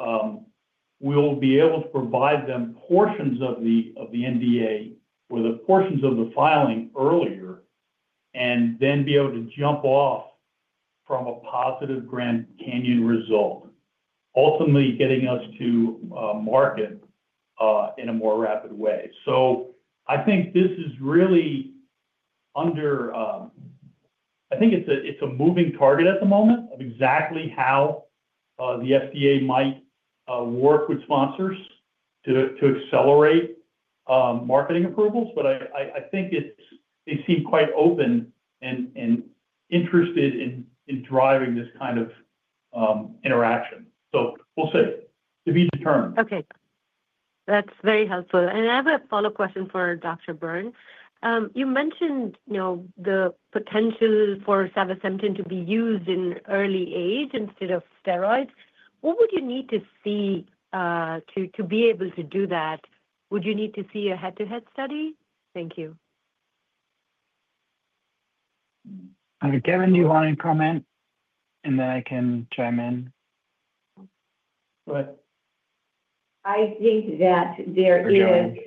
we'll be able to provide them portions of the NDA or the portions of the filing earlier and then be able to jump off from a positive Grand CANYON result, ultimately getting us to market in a more rapid way. I think this is really under, I think it's a moving target at the moment of exactly how the FDA might work with sponsors to accelerate marketing approvals. I think they seem quite open and interested in driving this kind of interaction. We'll see. To be determined. Okay. That's very helpful. I have a follow-up question for Dr. Byrne. You mentioned the potential for sevasemten to be used in early age instead of steroids. What would you need to see to be able to do that? Would you need to see a head-to-head study? Thank you. Kevin, do you want to comment? I can chime in. Go ahead. I think that there is.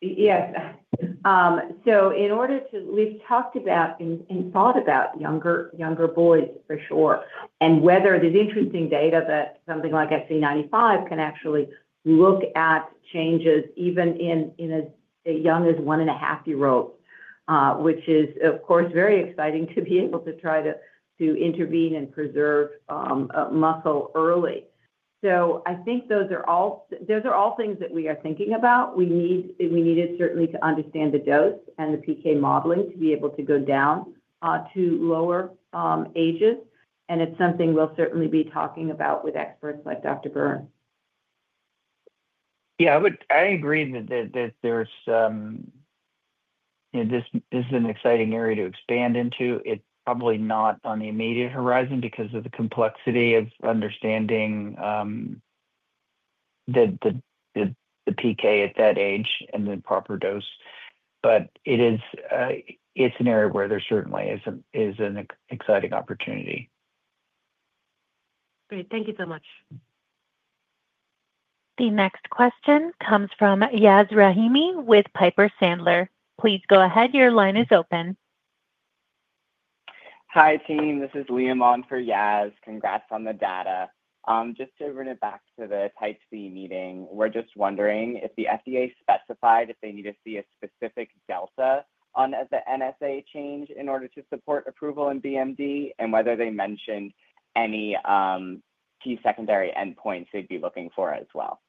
Yes. In order to, we've talked about and thought about younger boys, for sure, and whether there's interesting data that something like SV95 can actually look at changes even in as young as one and a half-year-old, which is, of course, very exciting to be able to try to intervene and preserve muscle early. I think those are all things that we are thinking about. We need certainly to understand the dose and the PK modeling to be able to go down to lower ages. It's something we'll certainly be talking about with experts like Dr. Byrne. Yeah, I agree that this is an exciting area to expand into. It's probably not on the immediate horizon because of the complexity of understanding the PK at that age and the proper dose. It's an area where there certainly is an exciting opportunity. Great. Thank you so much. The next question comes from Yas Rahimi with Piper Sandler. Please go ahead. Your line is open. Hi, team. This is Liam on for Yaz. Congrats on the data. Just to run it back to the Type C meeting, we're just wondering if the FDA specified if they need to see a specific delta on the NSAA change in order to support approval in BMD and whether they mentioned any key secondary endpoints they'd be looking for as well.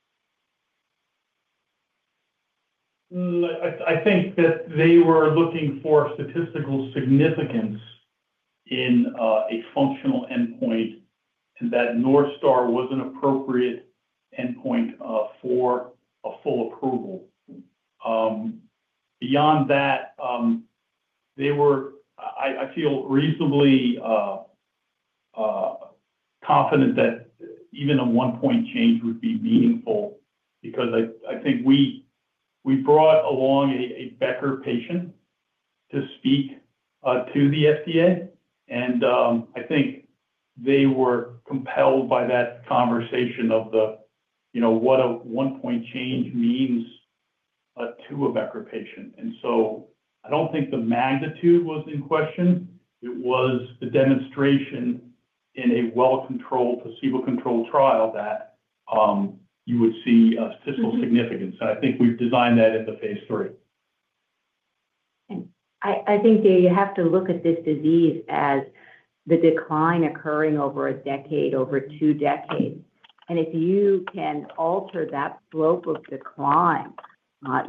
I think that they were looking for statistical significance in a functional endpoint and that North Star was an appropriate endpoint for a full approval. Beyond that, they were, I feel, reasonably confident that even a one-point change would be meaningful because I think we brought along a Becker patient to speak to the FDA. I think they were compelled by that conversation of what a one-point change means to a Becker patient. I do not think the magnitude was in question. It was the demonstration in a well-controlled placebo-controlled trial that you would see statistical significance. I think we have designed that into phase III. You have to look at this disease as the decline occurring over a decade, over two decades. If you can alter that slope of decline,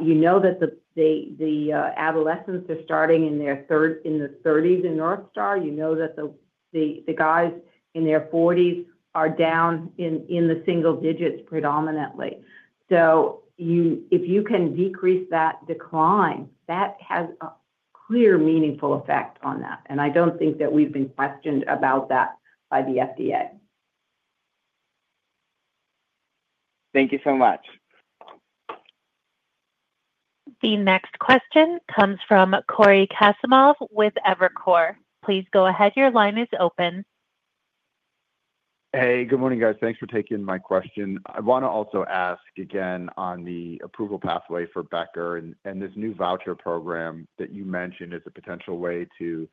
you know that the adolescents are starting in the 30s in North Star. You know that the guys in their 40s are down in the single digits predominantly. If you can decrease that decline, that has a clear, meaningful effect on that. I do not think that we have been questioned about that by the FDA. Thank you so much. The next question comes from Cory Kasimov with Evercore. Please go ahead. Your line is open. Hey. Good morning, guys. Thanks for taking my question. I want to also ask again on the approval pathway for Becker and this new voucher program that you mentioned as a potential way to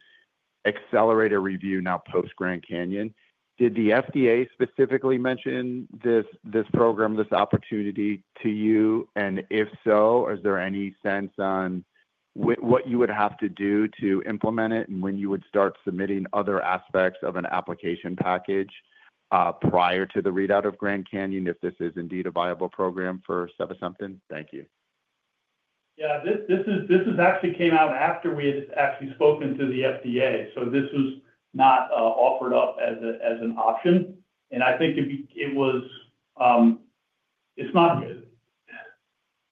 accelerate a review now post-Grand CANYON. Did the FDA specifically mention this program, this opportunity to you? If so, is there any sense on what you would have to do to implement it and when you would start submitting other aspects of an application package prior to the readout of Grand CANYON if this is indeed a viable program for sevasemten? Thank you. Yeah. This actually came out after we had actually spoken to the FDA. This was not offered up as an option. I think it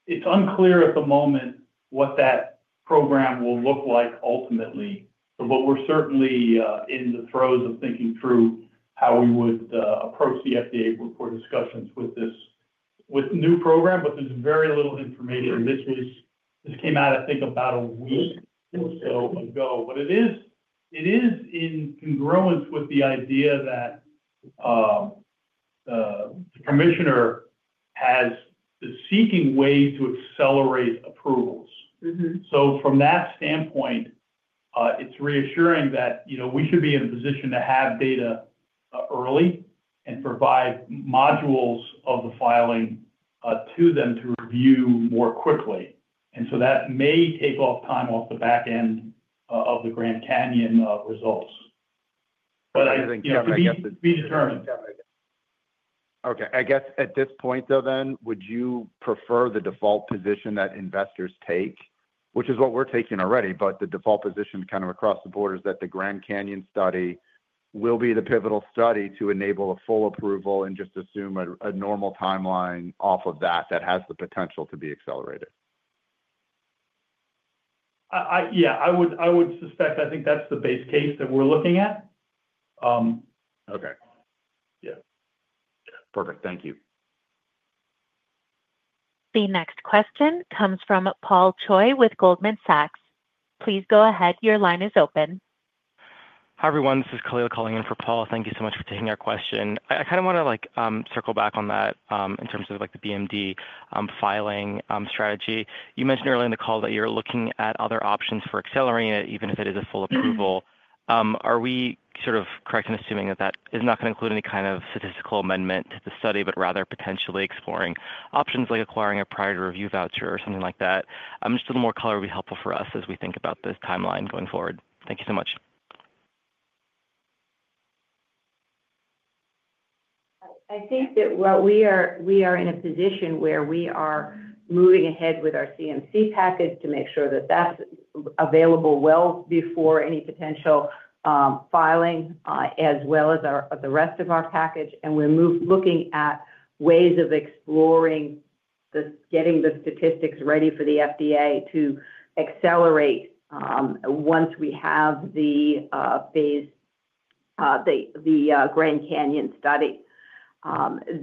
is unclear at the moment what that program will look like ultimately. We're certainly in the throes of thinking through how we would approach the FDA for discussions with this new program. There is very little information. This came out, I think, about a week or so ago. It is in congruence with the idea that the commissioner has the seeking way to accelerate approvals. From that standpoint, it's reassuring that we should be in a position to have data early and provide modules of the filing to them to review more quickly. That may take time off the back end of the Grand CANYON results. I think it's to be determined. Okay. I guess at this point, though, then, would you prefer the default position that investors take, which is what we're taking already, but the default position kind of across the board is that the Grand CANYON study will be the pivotal study to enable a full approval and just assume a normal timeline off of that that has the potential to be accelerated? Yeah. I would suspect I think that's the base case that we're looking at. Okay. Yeah. Perfect. Thank you. The next question comes from Paul Choi with Goldman Sachs. Please go ahead. Your line is open. Hi, everyone. This is Khalil calling in for Paul. Thank you so much for taking our question. I kind of want to circle back on that in terms of the BMD filing strategy. You mentioned earlier in the call that you're looking at other options for accelerating it even if it is a full approval. Are we sort of correct in assuming that that is not going to include any kind of statistical amendment to the study, but rather potentially exploring options like acquiring a priority review voucher or something like that? Just a little more color would be helpful for us as we think about this timeline going forward. Thank you so much. I think that we are in a position where we are moving ahead with our CMC package to make sure that that's available well before any potential filing as well as the rest of our package. We are looking at ways of exploring getting the statistics ready for the FDA to accelerate once we have the Grand CANYON study.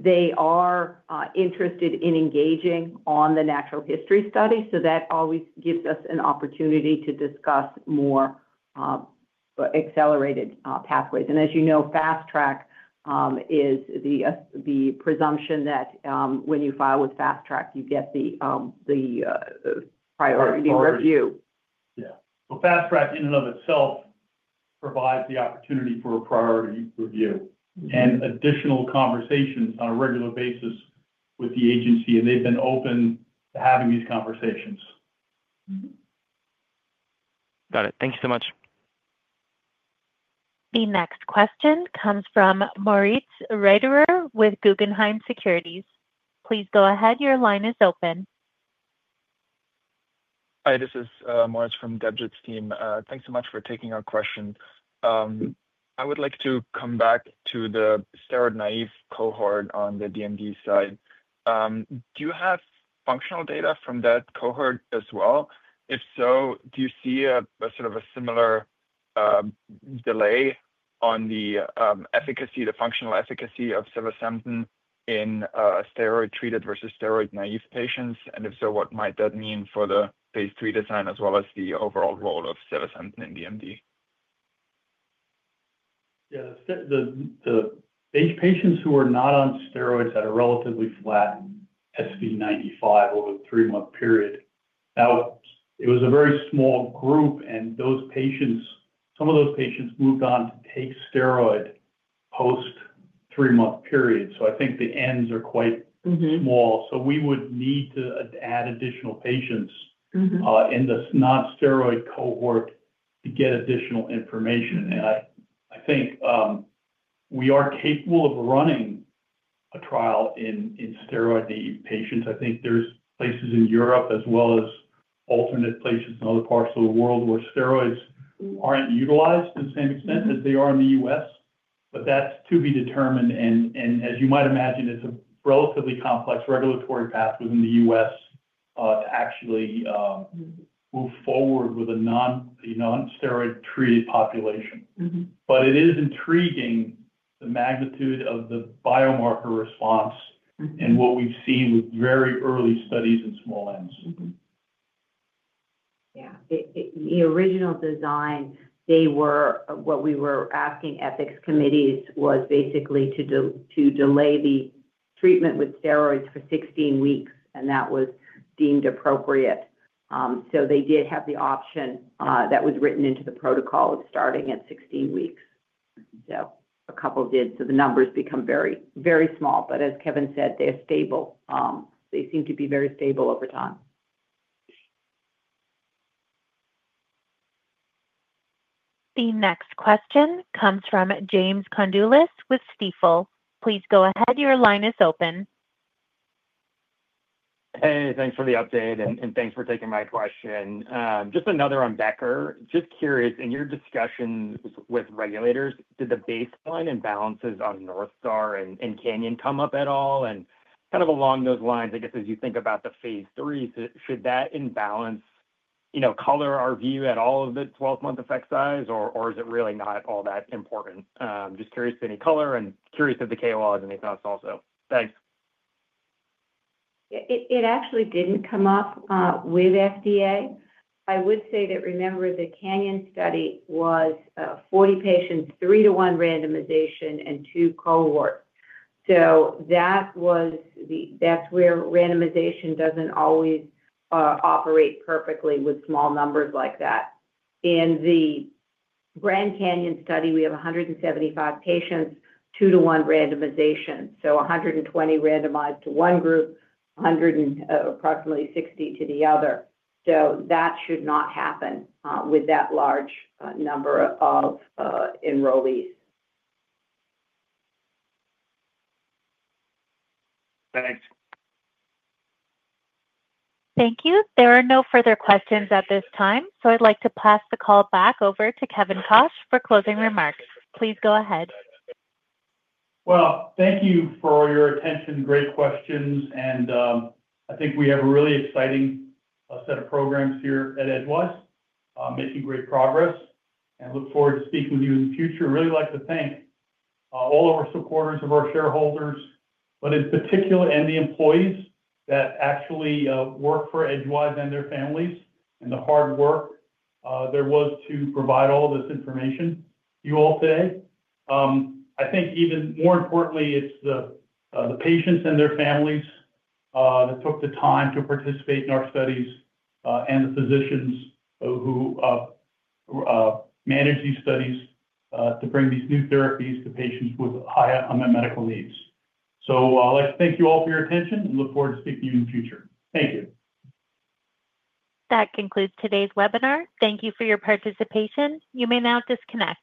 They are interested in engaging on the natural history study. That always gives us an opportunity to discuss more accelerated pathways. As you know, fast-track is the presumption that when you file with fast-track, you get the priority review. Yeah. Fast-track in and of itself provides the opportunity for a priority review and additional conversations on a regular basis with the agency. They have been open to having these conversations. Got it. Thank you so much. The next question comes from Moritz Reiterer with Guggenheim Securities. Please go ahead. Your line is open. Hi. This is Moritz from Debjit's team. Thanks so much for taking our question. I would like to come back to the steroid-naive cohort on the DMD side. Do you have functional data from that cohort as well? If so, do you see sort of a similar delay on the efficacy, the functional efficacy of sevasemten in steroid-treated versus steroid-naive patients? If so, what might that mean for the phase III design as well as the overall role of sevasemten in DMD? Yeah. The patients who are not on steroids that are relatively flat SV95 over the three-month period, it was a very small group. Some of those patients moved on to take steroids post three-month period. I think the ends are quite small. We would need to add additional patients in the non-steroid cohort to get additional information. I think we are capable of running a trial in steroid-naive patients. I think there are places in Europe as well as alternate places in other parts of the world where steroids are not utilized to the same extent as they are in the U.S. That is to be determined. As you might imagine, it's a relatively complex regulatory path within the U.S. to actually move forward with a non-steroid-treated population. It is intriguing, the magnitude of the biomarker response and what we've seen with very early studies in small ends. Yeah. The original design, what we were asking ethics committees, was basically to delay the treatment with steroids for 16 weeks. That was deemed appropriate. They did have the option that was written into the protocol of starting at 16 weeks. A couple did. The numbers become very, very small. As Kevin said, they're stable. They seem to be very stable over time. The next question comes from James Condulis with Stifel. Please go ahead. Your line is open. Hey. Thanks for the update. Thanks for taking my question. Just another on Becker. Just curious, in your discussions with regulators, did the baseline imbalances on North Star and CANYON come up at all? Kind of along those lines, I guess, as you think about the phase III, should that imbalance color our view at all of the 12-month effect size? Or is it really not all that important? Just curious of any color and curious of the KOLs and any thoughts also. Thanks. It actually did not come up with FDA. I would say that, remember, the CANYON study was 40 patients, three-to-one randomization, and two cohorts. That is where randomization does not always operate perfectly with small numbers like that. In the Grand CANYON study, we have 175 patients, two-to-one randomization. So 120 randomized to one group, approximately 60 to the other. That should not happen with that large number of enrollees. Thanks. Thank you. There are no further questions at this time. I would like to pass the call back over to Kevin Koch for closing remarks. Please go ahead. Thank you for your attention. Great questions. I think we have a really exciting set of programs here at Edgewise, making great progress. I look forward to speaking with you in the future. I would really like to thank all of our supporters, our shareholders, but in particular, the employees that actually work for Edgewise and their families and the hard work there was to provide all this information to you all today. I think even more importantly, it is the patients and their families that took the time to participate in our studies and the physicians who manage these studies to bring these new therapies to patients with high medical needs. I'd like to thank you all for your attention and look forward to speaking to you in the future. Thank you. That concludes today's webinar. Thank you for your participation. You may now disconnect.